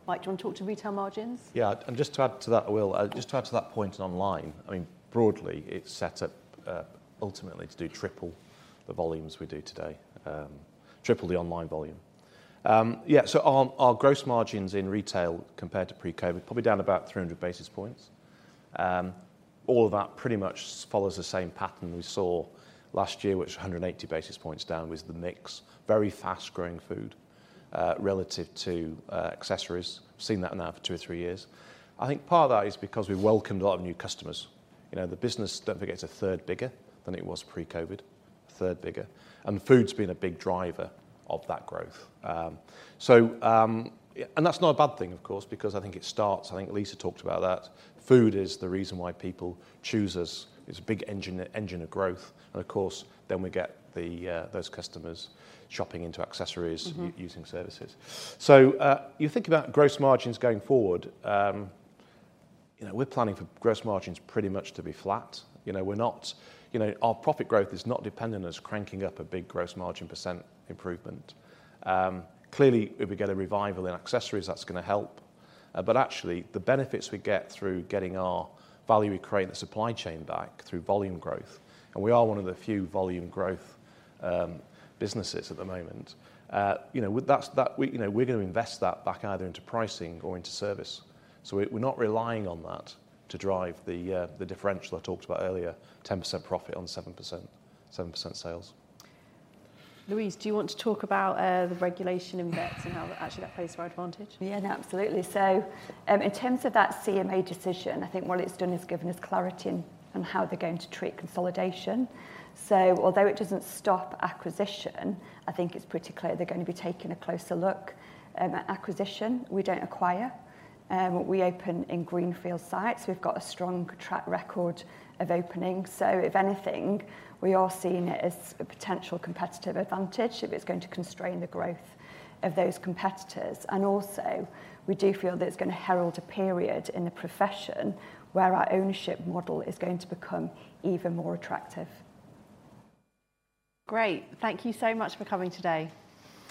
Mike, do you want to talk to retail margins? Just to add to that, I will, just to add to that point on online, I mean, broadly, it's set up ultimately to do triple the volumes we do today, triple the online volume. Our gross margins in retail compared to pre-COVID, probably down about 300 basis points. All of that pretty much follows the same pattern we saw last year, which 180 basis points down, was the mix. Very fast-growing food relative to accessories. Seen that now for two or three years. I think part of that is because we welcomed a lot of new customers. You know, the business, don't forget, it's a third bigger than it was pre-COVID, a third bigger, and food's been a big driver of that growth. Yeah, that's not a bad thing, of course, because I think it starts, I think Lisa talked about that, food is the reason why people choose us. It's a big engine of growth, and of course, then we get the, those customers shopping into accessorie using services. You think about gross margins going forward, you know, we're planning for gross margins pretty much to be flat. You know, we're not. You know, our profit growth is not dependent on us cranking up a big gross margin percent improvement. Clearly, if we get a revival in accessories, that's going to help, but actually, the benefits we get through getting our value we create in the supply chain back through volume growth, and we are one of the few volume growth businesses at the moment. You know, with that, we, you know, we're going to invest that back either into pricing or into service. We're, we're not relying on that to drive the differential I talked about earlier, 10% profit on 7% sales. Louise, do you want to talk about the regulation in vets and how actually that plays to our advantage? Yeah, absolutely. In terms of that CMA decision, I think what it's done is given us clarity in on how they're going to treat consolidation. Although it doesn't stop acquisition, I think it's pretty clear they're going to be taking a closer look at acquisition. We don't acquire. We open in greenfield sites. We've got a strong track record of opening. If anything, we are seeing it as a potential competitive advantage if it's going to constrain the growth of those competitors. Also, we do feel that it's going to herald a period in the profession where our ownership model is going to become even more attractive. Great. Thank you so much for coming today.